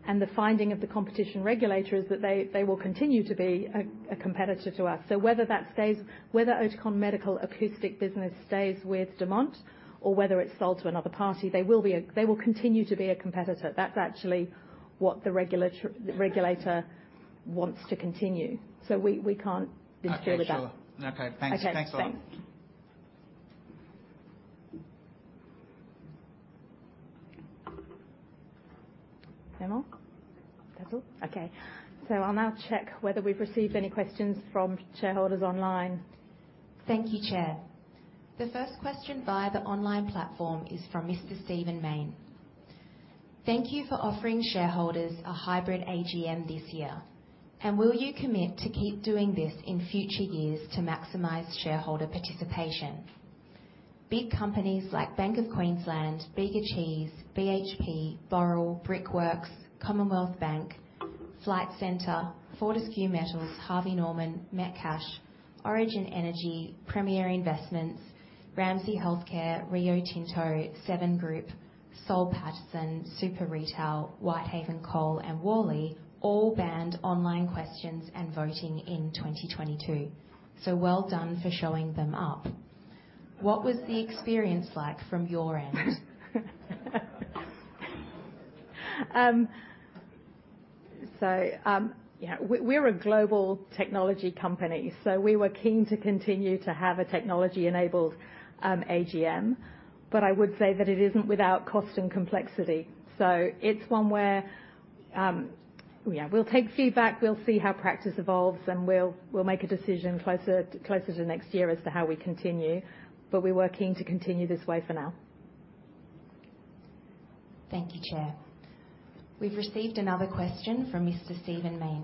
and the finding of the competition regulator is that they will continue to be a competitor to us. So whether that stays... Whether Oticon Medical acoustics business stays with Demant or whether it's sold to another party, they will continue to be a competitor. That's actually what the regulator wants to continue. So we can't interfere with that. Okay, sure. Okay, thanks. Okay. Thanks a lot. Thanks. No more? That's all. Okay. So I'll now check whether we've received any questions from shareholders online. Thank you, Chair. The first question via the online platform is from Mr. Stephen Mayne. "Thank you for offering shareholders a hybrid AGM this year, and will you commit to keep doing this in future years to maximize shareholder participation? Big companies like Bank of Queensland, Bega Cheese, BHP, Boral, Brickworks, Commonwealth Bank, Flight Centre, Fortescue Metals, Harvey Norman, Metcash, Origin Energy, Premier Investments, Ramsay Health Care, Rio Tinto, Seven Group, Soul Pattinson, Super Retail, Whitehaven Coal, and Worley all banned online questions and voting in 2022. So well done for showing them up. What was the experience like from your end?" So, yeah, we, we're a global technology company, so we were keen to continue to have a technology-enabled AGM, but I would say that it isn't without cost and complexity. So it's one where, yeah, we'll take feedback, we'll see how practice evolves, and we'll, we'll make a decision closer, closer to next year as to how we continue. But we're working to continue this way for now. Thank you, Chair. We've received another question from Mr. Stephen Mayne.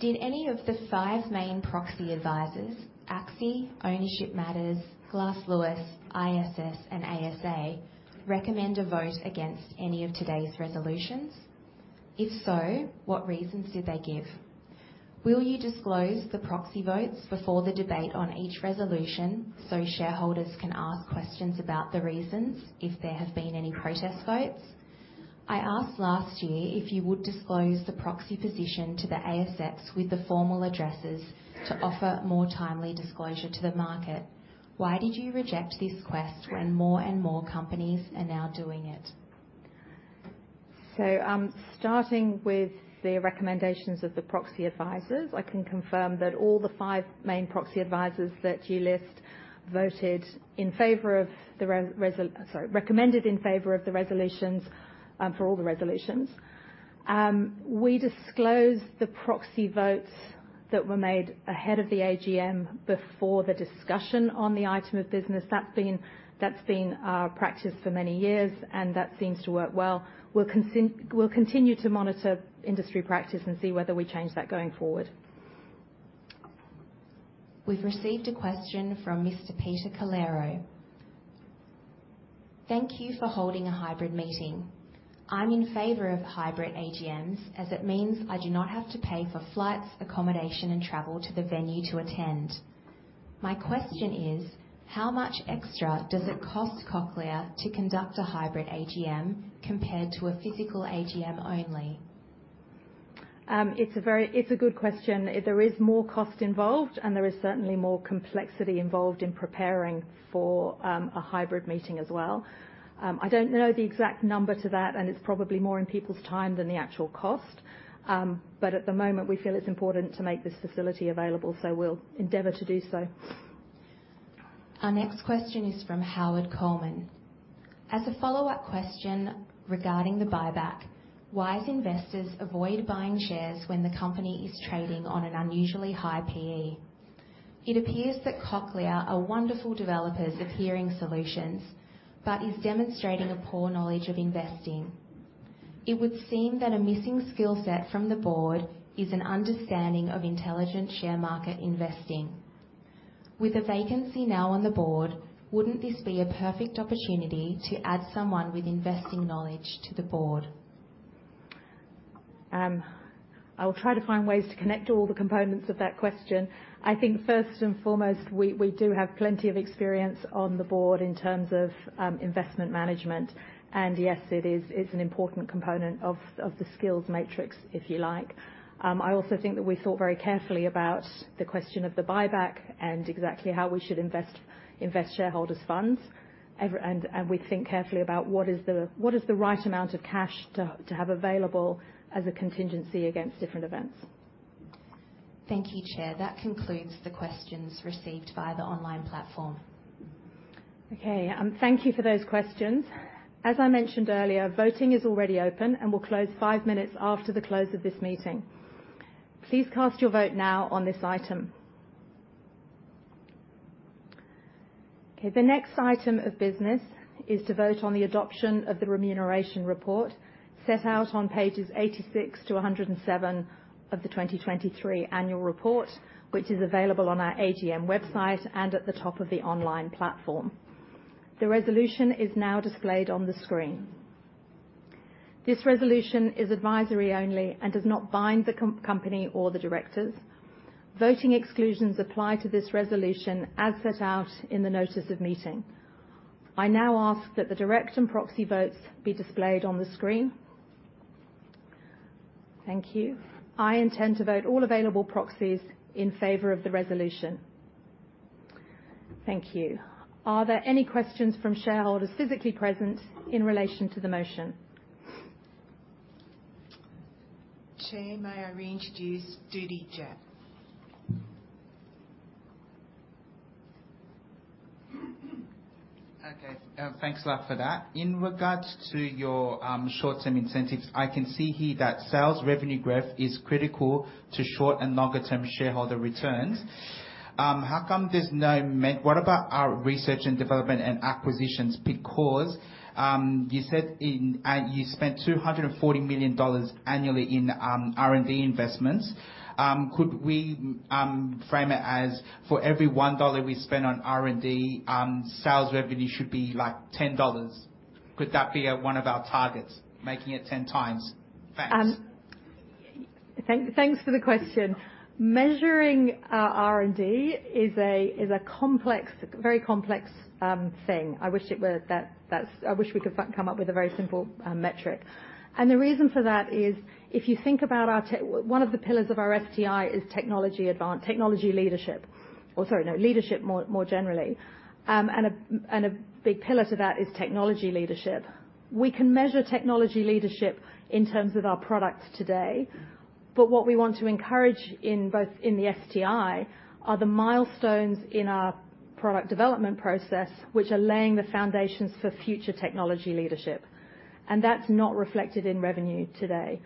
"Did any of the five main proxy advisors, ACSI, Ownership Matters, Glass Lewis, ISS, and ASA, recommend a vote against any of today's resolutions? If so, what reasons did they give? Will you disclose the proxy votes before the debate on each resolution, so shareholders can ask questions about the reasons, if there have been any protest votes? I asked last year if you would disclose the proxy position to the ASX with the formal addresses to offer more timely disclosure to the market. Why did you reject this request when more and more companies are now doing it? So, starting with the recommendations of the proxy advisors, I can confirm that all the five main proxy advisors that you list recommended in favor of the resolutions for all the resolutions. We disclosed the proxy votes that were made ahead of the AGM before the discussion on the item of business. That's been our practice for many years, and that seems to work well. We'll continue to monitor industry practice and see whether we change that going forward. We've received a question from Mr. Peter Calero. "Thank you for holding a hybrid meeting. I'm in favor of hybrid AGMs, as it means I do not have to pay for flights, accommodation, and travel to the venue to attend. My question is, how much extra does it cost Cochlear to conduct a hybrid AGM compared to a physical AGM only? It's a good question. There is more cost involved, and there is certainly more complexity involved in preparing for a hybrid meeting as well. I don't know the exact number to that, and it's probably more in people's time than the actual cost. But at the moment, we feel it's important to make this facility available, so we'll endeavor to do so. Our next question is from Howard Coleman. "As a follow-up question regarding the buyback, why does investors avoid buying shares when the company is trading on an unusually high PE? It appears that Cochlear are wonderful developers of hearing solutions, but is demonstrating a poor knowledge of investing. It would seem that a missing skill set from the board is an understanding of intelligent share market investing. With a vacancy now on the board, wouldn't this be a perfect opportunity to add someone with investing knowledge to the board? I will try to find ways to connect all the components of that question. I think first and foremost, we, we do have plenty of experience on the board in terms of, investment management, and yes, it is- it's an important component of, of the skills matrix, if you like. I also think that we thought very carefully about the question of the buyback and exactly how we should invest, invest shareholders' funds. And, and we think carefully about what is the, what is the right amount of cash to, to have available as a contingency against different events. Thank you, Chair. That concludes the questions received via the online platform. Okay, thank you for those questions. As I mentioned earlier, voting is already open and will close five minutes after the close of this meeting. Please cast your vote now on this item. Okay, the next item of business is to vote on the adoption of the remuneration report, set out on pages 86-107 of the 2023 annual report, which is available on our AGM website and at the top of the online platform. The resolution is now displayed on the screen. This resolution is advisory only and does not bind the company or the directors. Voting exclusions apply to this resolution as set out in the notice of meeting. I now ask that the direct and proxy votes be displayed on the screen. Thank you. I intend to vote all available proxies in favor of the resolution. Thank you. Are there any questions from shareholders physically present in relation to the motion? Chair, may I reintroduce Dudie Jack? Okay, thanks a lot for that. In regards to your short-term incentives, I can see here that sales revenue growth is critical to short and longer-term shareholder returns. How come there's no What about our research and development and acquisitions? Because you said you spent 240 million dollars annually in R&D investments. Could we frame it as for every 1 dollar we spend on R&D, sales revenue should be like 10 dollars? Could that be one of our targets, making it 10 times? Thanks. Thanks for the question. Measuring R&D is a complex, very complex thing. I wish it were that. I wish we could come up with a very simple metric. The reason for that is if you think about our one of the pillars of our STI is technology advance, technology leadership—or sorry, no, leadership more generally. And a big pillar to that is technology leadership. We can measure technology leadership in terms of our products today, but what we want to encourage in the STI are the milestones in our product development process, which are laying the foundations for future technology leadership, and that's not reflected in revenue today.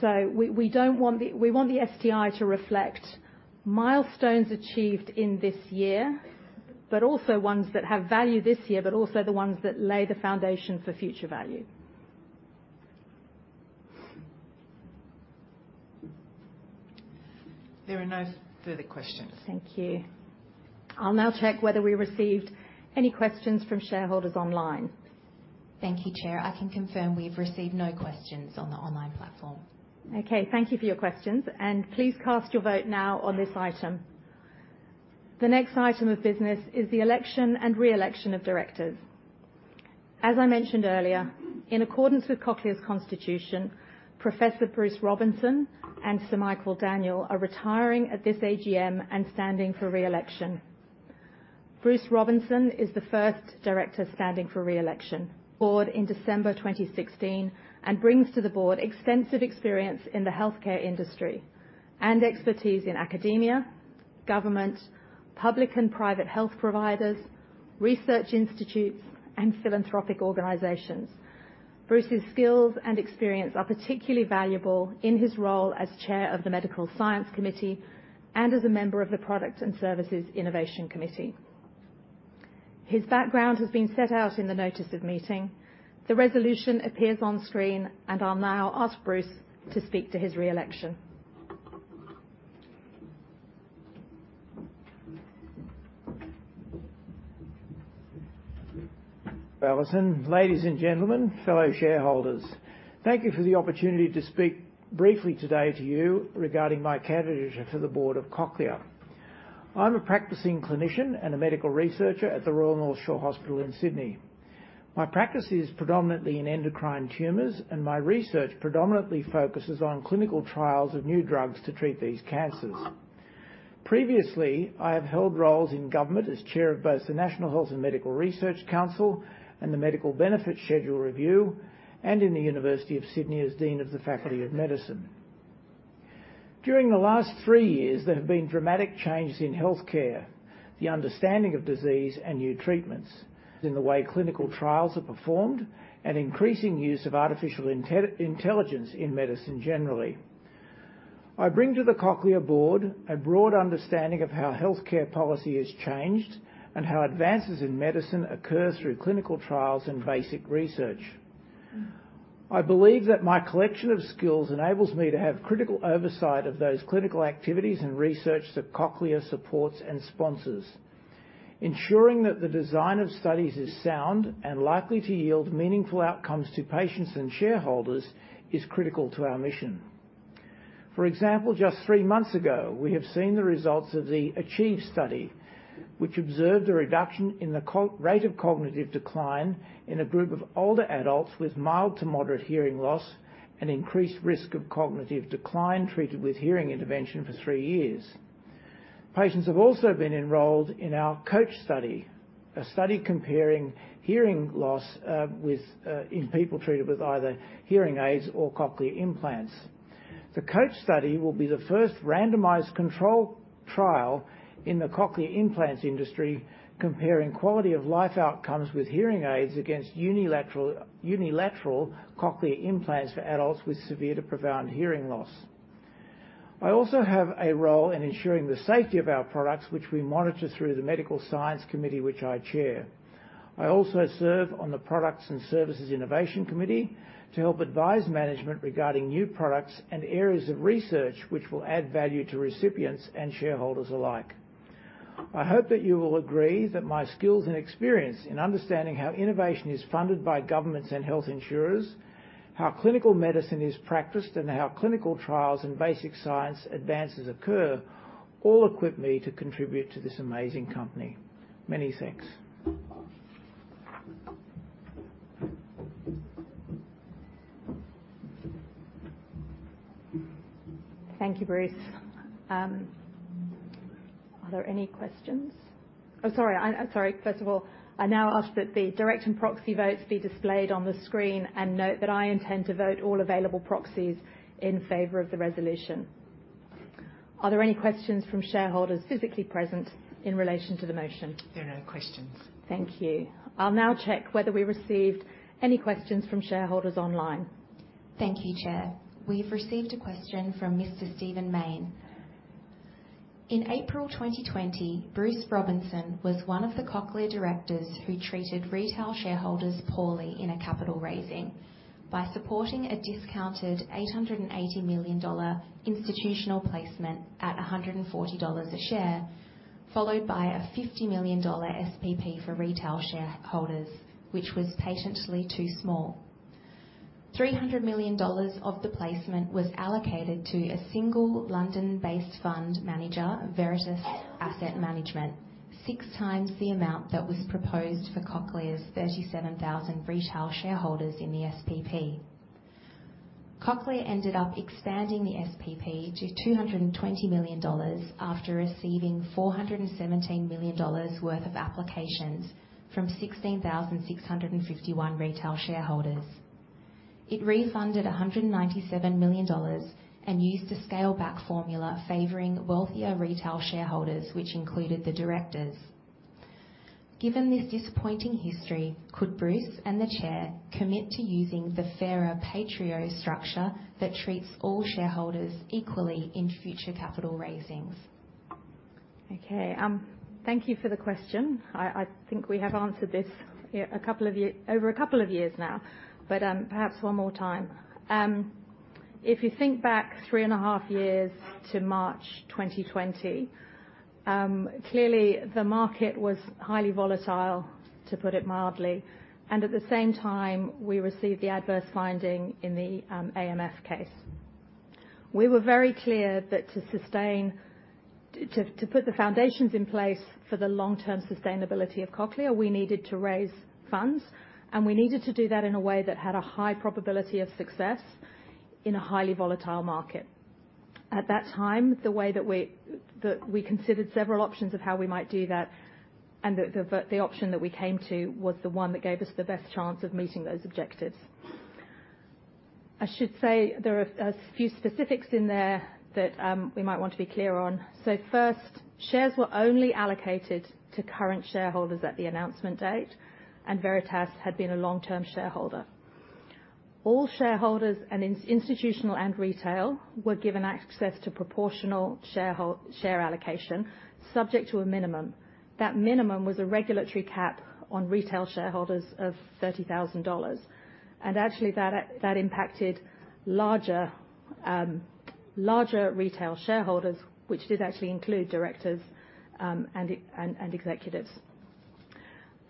So we don't want the... We want the STI to reflect milestones achieved in this year, but also ones that have value this year, but also the ones that lay the foundation for future value. There are no further questions. Thank you. I'll now check whether we received any questions from shareholders online. Thank you, Chair. I can confirm we've received no questions on the online platform. Okay, thank you for your questions, and please cast your vote now on this item. The next item of business is the election and re-election of directors. As I mentioned earlier, in accordance with Cochlear's Constitution, Professor Bruce Robinson and Sir Michael Daniell are retiring at this AGM and standing for re-election. Bruce Robinson is the first director standing for re-election, board in December 2016, and brings to the board extensive experience in the healthcare industry and expertise in academia, government, public and private health providers, research institutes, and philanthropic organizations. Bruce's skills and experience are particularly valuable in his role as Chair of the Medical Science Committee and as a member of the Product and Services Innovation Committee. His background has been set out in the notice of meeting. The resolution appears on screen, and I'll now ask Bruce to speak to his re-election. Alison, ladies and gentlemen, fellow shareholders, thank you for the opportunity to speak briefly today to you regarding my candidature for the Board of Cochlear. I'm a practicing clinician and a medical researcher at the Royal North Shore Hospital in Sydney. My practice is predominantly in endocrine tumors, and my research predominantly focuses on clinical trials of new drugs to treat these cancers. Previously, I have held roles in government as chair of both the National Health and Medical Research Council and the Medical Benefits Schedule Review, and in the University of Sydney as Dean of the Faculty of Medicine. During the last three years, there have been dramatic changes in healthcare, the understanding of disease and new treatments, in the way clinical trials are performed, and increasing use of artificial intelligence in medicine generally. I bring to the Cochlear board a broad understanding of how healthcare policy has changed and how advances in medicine occur through clinical trials and basic research. I believe that my collection of skills enables me to have critical oversight of those clinical activities and research that Cochlear supports and sponsors... ensuring that the design of studies is sound and likely to yield meaningful outcomes to patients and shareholders is critical to our mission. For example, just three months ago, we have seen the results of the ACHIEVE Study, which observed a reduction in the rate of cognitive decline in a group of older adults with mild to moderate hearing loss and increased risk of cognitive decline, treated with hearing intervention for three years. Patients have also been enrolled in our COACH Study, a study comparing hearing loss in people treated with either hearing aids or cochlear implants. The COACH Study will be the first randomized control trial in the cochlear implants industry, comparing quality of life outcomes with hearing aids against unilateral cochlear implants for adults with severe to profound hearing loss. I also have a role in ensuring the safety of our products, which we monitor through the Medical Science Committee, which I chair. I also serve on the Products and Services Innovation Committee to help advise management regarding new products and areas of research which will add value to recipients and shareholders alike. I hope that you will agree that my skills and experience in understanding how innovation is funded by governments and health insurers, how clinical medicine is practiced, and how clinical trials and basic science advances occur, all equip me to contribute to this amazing company. Many thanks. Thank you, Bruce. Are there any questions? First of all, I now ask that the direct and proxy votes be displayed on the screen, and note that I intend to vote all available proxies in favor of the resolution. Are there any questions from shareholders physically present in relation to the motion? There are no questions. Thank you. I'll now check whether we received any questions from shareholders online. Thank you, Chair. We've received a question from Mr. Stephen Mayne. In April 2020, Bruce Robinson was one of the Cochlear directors who treated retail shareholders poorly in a capital raising by supporting a discounted 880 million dollar institutional placement at 140 dollars a share, followed by a 50 million dollar SPP for retail shareholders, which was patently too small. 300 million dollars of the placement was allocated to a single London-based fund manager, Veritas Asset Management, six times the amount that was proposed for Cochlear's 37,000 retail shareholders in the SPP. Cochlear ended up expanding the SPP to 220 million dollars after receiving 417 million dollars worth of applications from 16,651 retail shareholders. It refunded 197 million dollars and used a scale-back formula favoring wealthier retail shareholders, which included the directors. Given this disappointing history, could Bruce and the Chair commit to using the fairer pro-rata structure that treats all shareholders equally in future capital raisings? Okay, thank you for the question. I think we have answered this yeah, a couple of years, over a couple of years now, but perhaps one more time. If you think back three and a half years to March 2020, clearly the market was highly volatile, to put it mildly, and at the same time, we received the adverse finding in the AMF case. We were very clear that to sustain. To put the foundations in place for the long-term sustainability of Cochlear, we needed to raise funds, and we needed to do that in a way that had a high probability of success in a highly volatile market. At that time, the way that we considered several options of how we might do that, and the option that we came to was the one that gave us the best chance of meeting those objectives. I should say there are a few specifics in there that we might want to be clear on. So first, shares were only allocated to current shareholders at the announcement date, and Veritas had been a long-term shareholder. All shareholders, and in institutional and retail, were given access to proportional share allocation, subject to a minimum. That minimum was a regulatory cap on retail shareholders of 30,000 dollars. And actually, that impacted larger retail shareholders, which did actually include directors and executives.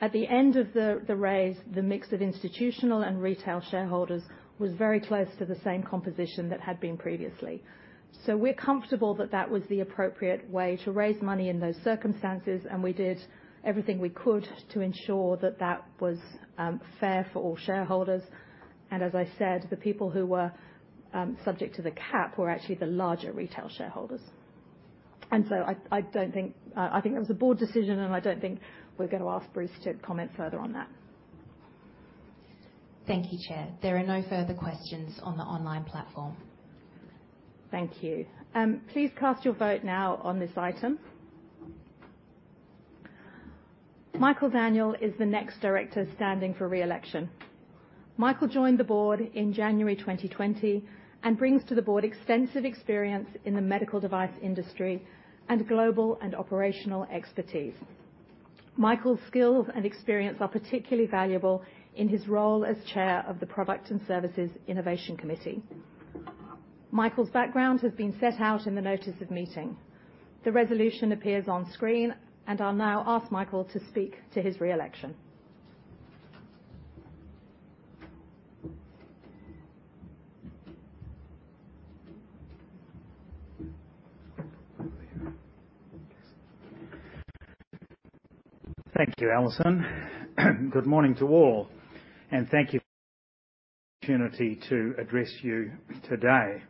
At the end of the raise, the mix of institutional and retail shareholders was very close to the same composition that had been previously. So we're comfortable that that was the appropriate way to raise money in those circumstances, and we did everything we could to ensure that that was fair for all shareholders. And as I said, the people who were subject to the cap were actually the larger retail shareholders. And so I don't think... I think that was a board decision, and I don't think we're going to ask Bruce to comment further on that. Thank you, Chair. There are no further questions on the online platform. Thank you. Please cast your vote now on this item. Michael Daniel is the next director standing for re-election. Michael joined the board in January 2020 and brings to the board extensive experience in the medical device industry and global and operational expertise. Michael's skills and experience are particularly valuable in his role as Chair of the Product and Services Innovation Committee. Michael's background has been set out in the notice of meeting. The resolution appears on screen, and I'll now ask Michael to speak to his re-election. Thank you, Alison. Good morning to all, and thank you for the opportunity to address you today.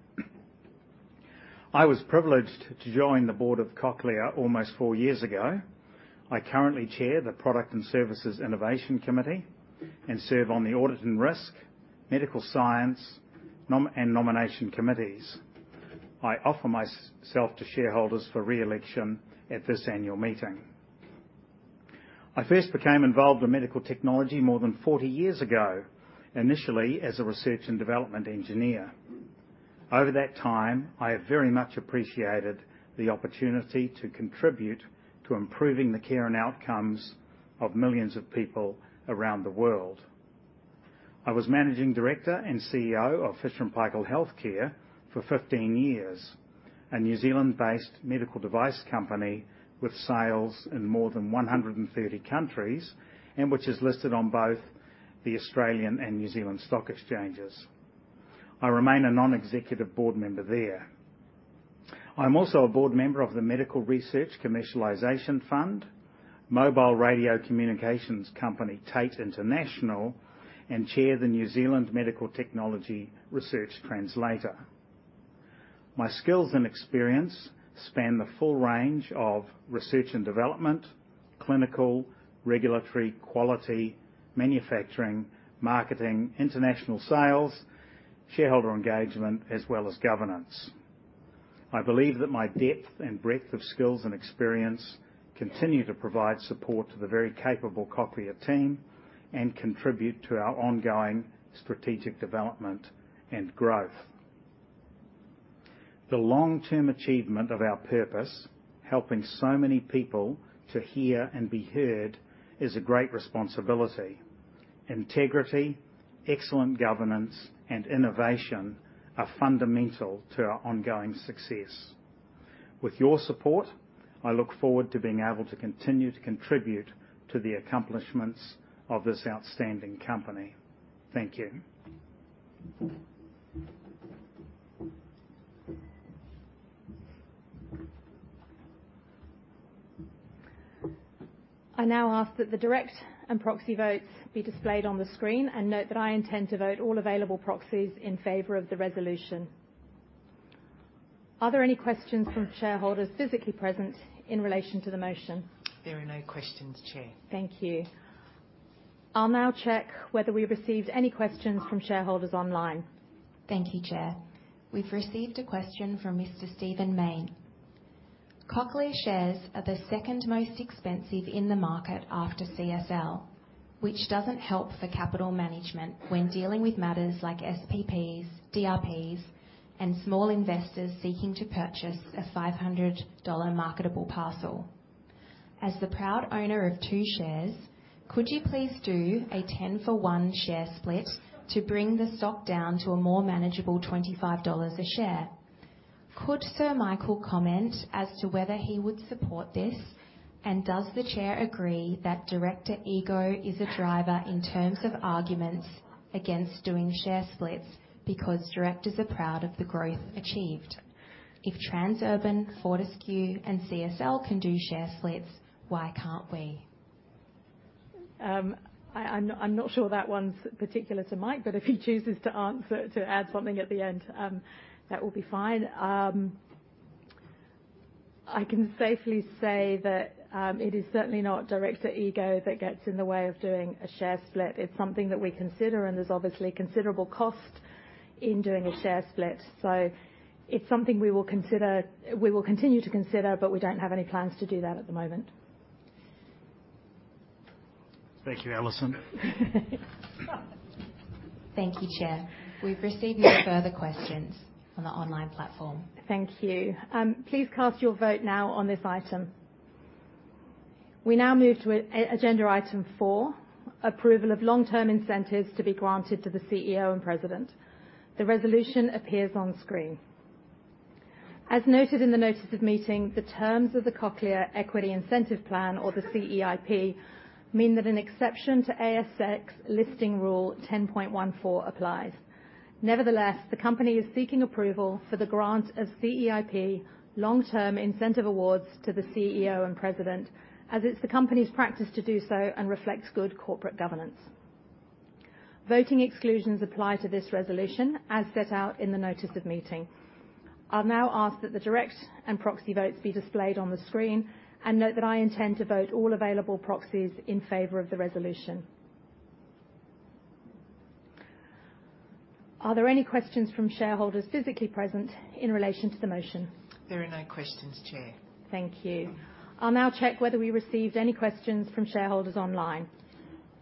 I was privileged to join the board of Cochlear almost 4 years ago. I currently chair the Product and Services Innovation Committee, and serve on the Audit and Risk, Medical Science, Nomination, and Nomination Committees. I offer myself to shareholders for re-election at this annual meeting. I first became involved in medical technology more than 40 years ago, initially as a research and development engineer. Over that time, I have very much appreciated the opportunity to contribute to improving the care and outcomes of millions of people around the world. I was Managing Director and CEO of Fisher & Paykel Healthcare for 15 years, a New Zealand-based medical device company with sales in more than 130 countries, and which is listed on both the Australian and New Zealand Stock Exchanges. I remain a non-executive board member there. I'm also a board member of the Medical Research Commercialization Fund, mobile radio communications company, Tait International, and chair the New Zealand Medical Technology Research Translator. My skills and experience span the full range of research and development, clinical, regulatory, quality, manufacturing, marketing, international sales, shareholder engagement, as well as governance. I believe that my depth and breadth of skills and experience continue to provide support to the very capable Cochlear team and contribute to our ongoing strategic development and growth. The long-term achievement of our purpose, helping so many people to hear and be heard, is a great responsibility. Integrity, excellent governance, and innovation are fundamental to our ongoing success. With your support, I look forward to being able to continue to contribute to the accomplishments of this outstanding company. Thank you. I now ask that the direct and proxy votes be displayed on the screen, and note that I intend to vote all available proxies in favor of the resolution. Are there any questions from shareholders physically present in relation to the motion? There are no questions, Chair. Thank you. I'll now check whether we received any questions from shareholders online. Thank you, Chair. We've received a question from Mr. Stephen Mayne. "Cochlear shares are the second most expensive in the market after CSL, which doesn't help for capital management when dealing with matters like SPPs, DRPs, and small investors seeking to purchase an 500 dollar marketable parcel. As the proud owner of two shares, could you please do a 10 for one share split to bring the stock down to a more manageable 25 dollars a share? Could Sir Michael comment as to whether he would support this? And does the Chair agree that director ego is a driver in terms of arguments against doing share splits because directors are proud of the growth achieved? If Transurban, Fortescue, and CSL can do share splits, why can't we? I'm not sure that one's particular to Mike, but if he chooses to answer, to add something at the end, that will be fine. I can safely say that it is certainly not director ego that gets in the way of doing a share split. It's something that we consider, and there's obviously considerable cost in doing a share split. So it's something we will consider, we will continue to consider, but we don't have any plans to do that at the moment. Thank you, Alison. Thank you, Chair. We've received no further questions on the online platform. Thank you. Please cast your vote now on this item. We now move to agenda item four, approval of long-term incentives to be granted to the CEO and President. The resolution appears on screen. As noted in the notice of meeting, the terms of the Cochlear Equity Incentive Plan, or the CEIP, mean that an exception to ASX listing rule 10.14 applies. Nevertheless, the company is seeking approval for the grant of CEIP long-term incentive awards to the CEO and President, as it's the company's practice to do so and reflects good corporate governance. Voting exclusions apply to this resolution as set out in the notice of meeting. I'll now ask that the direct and proxy votes be displayed on the screen, and note that I intend to vote all available proxies in favor of the resolution. Are there any questions from shareholders physically present in relation to the motion? There are no questions, Chair. Thank you. I'll now check whether we received any questions from shareholders online.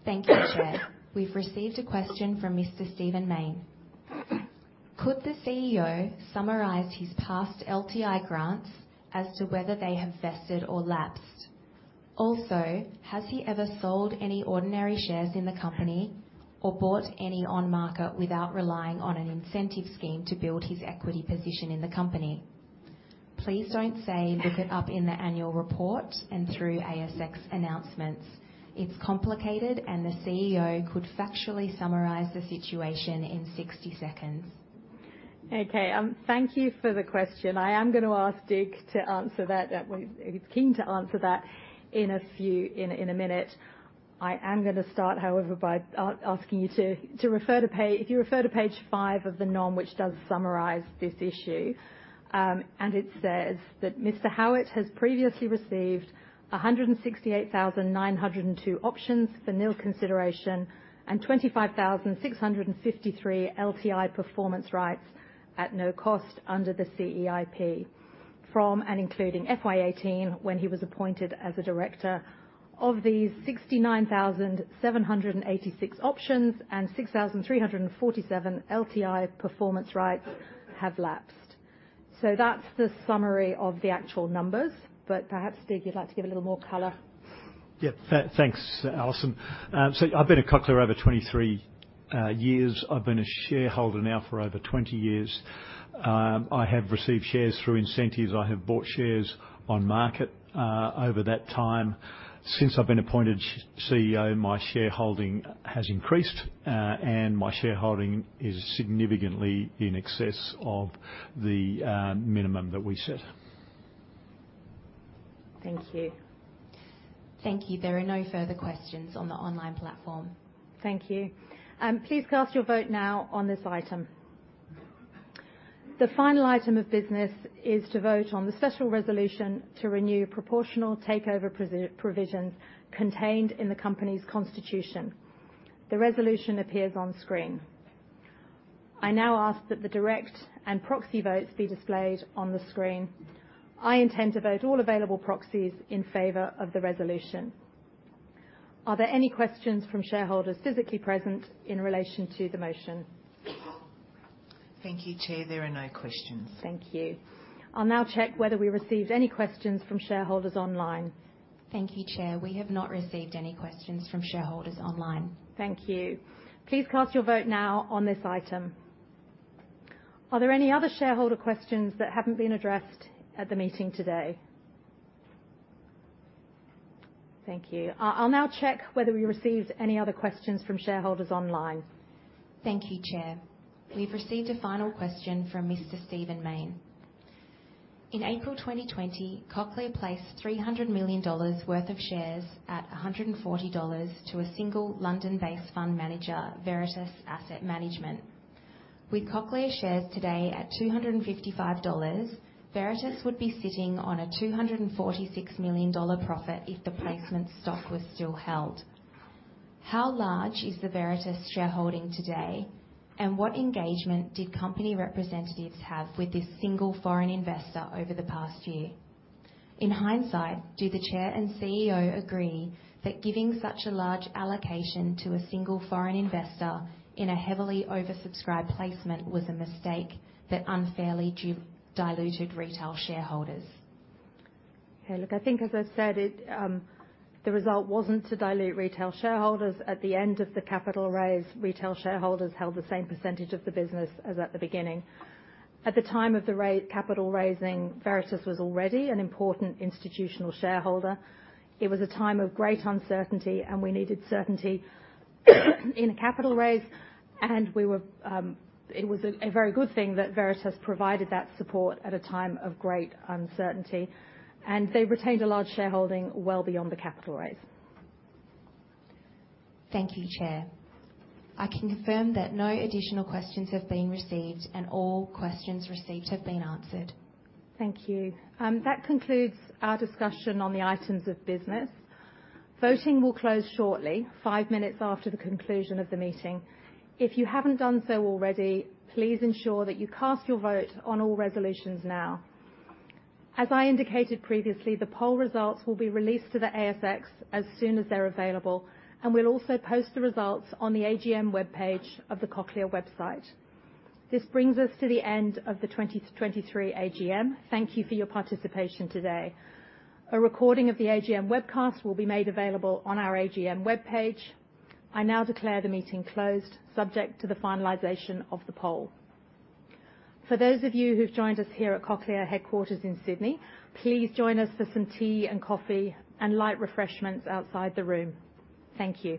Thank you, Chair. We've received a question from Mr. Stephen Mayne. "Could the CEO summarize his past LTI grants as to whether they have vested or lapsed? Also, has he ever sold any ordinary shares in the company or bought any on market without relying on an incentive scheme to build his equity position in the company? Please don't say, 'Look it up in the annual report and through ASX announcements.' It's complicated, and the CEO could factually summarize the situation in 60 seconds. Okay, thank you for the question. I am gonna ask Dig to answer that, well, he's keen to answer that in a minute. I am gonna start, however, by asking you to refer to page five of the NOM, which does summarize this issue, and it says that Mr. Howitt has previously received 168,902 options for nil consideration and 25,653 LTI performance rights at no cost under the CEIP from and including FY 2018, when he was appointed as a director. Of these, 69,786 options and 6,347 LTI performance rights have lapsed. So that's the summary of the actual numbers, but perhaps, Dig, you'd like to give a little more color? Yeah. Thanks, Alison. So I've been at Cochlear over 23 years. I've been a shareholder now for over 20 years. I have received shares through incentives. I have bought shares on market over that time. Since I've been appointed CEO, my shareholding has increased, and my shareholding is significantly in excess of the minimum that we set. Thank you. Thank you. There are no further questions on the online platform. Thank you. Please cast your vote now on this item. The final item of business is to vote on the special resolution to renew proportional takeover provisions contained in the company's constitution. The resolution appears on screen. I now ask that the direct and proxy votes be displayed on the screen. I intend to vote all available proxies in favor of the resolution. Are there any questions from shareholders physically present in relation to the motion? Thank you, Chair. There are no questions. Thank you. I'll now check whether we received any questions from shareholders online. Thank you, Chair. We have not received any questions from shareholders online. Thank you. Please cast your vote now on this item. Are there any other shareholder questions that haven't been addressed at the meeting today? Thank you. I'll now check whether we received any other questions from shareholders online. Thank you, Chair. We've received a final question from Mr. Stephen Mayne. In April 2020, Cochlear placed 300 million dollars worth of shares at 140 dollars to a single London-based fund manager, Veritas Asset Management. With Cochlear shares today at 255 dollars, Veritas would be sitting on a 246 million dollar profit if the placement stock was still held. How large is the Veritas shareholding today, and what engagement did company representatives have with this single foreign investor over the past year? In hindsight, do the Chair and CEO agree that giving such a large allocation to a single foreign investor in a heavily oversubscribed placement was a mistake that unfairly diluted retail shareholders? Okay, look, I think as I've said, it, the result wasn't to dilute retail shareholders. At the end of the capital raise, retail shareholders held the same percentage of the business as at the beginning. At the time of the capital raising, Veritas was already an important institutional shareholder. It was a time of great uncertainty, and we needed certainty in a capital raise, and we were. It was a very good thing that Veritas provided that support at a time of great uncertainty, and they retained a large shareholding well beyond the capital raise. Thank you, Chair. I can confirm that no additional questions have been received, and all questions received have been answered. Thank you. That concludes our discussion on the items of business. Voting will close shortly, 5 minutes after the conclusion of the meeting. If you haven't done so already, please ensure that you cast your vote on all resolutions now. As I indicated previously, the poll results will be released to the ASX as soon as they're available, and we'll also post the results on the AGM webpage of the Cochlear website. This brings us to the end of the 2023 AGM. Thank you for your participation today. A recording of the AGM webcast will be made available on our AGM webpage. I now declare the meeting closed, subject to the finalization of the poll. For those of you who've joined us here at Cochlear Headquarters in Sydney, please join us for some tea and coffee and light refreshments outside the room. Thank you.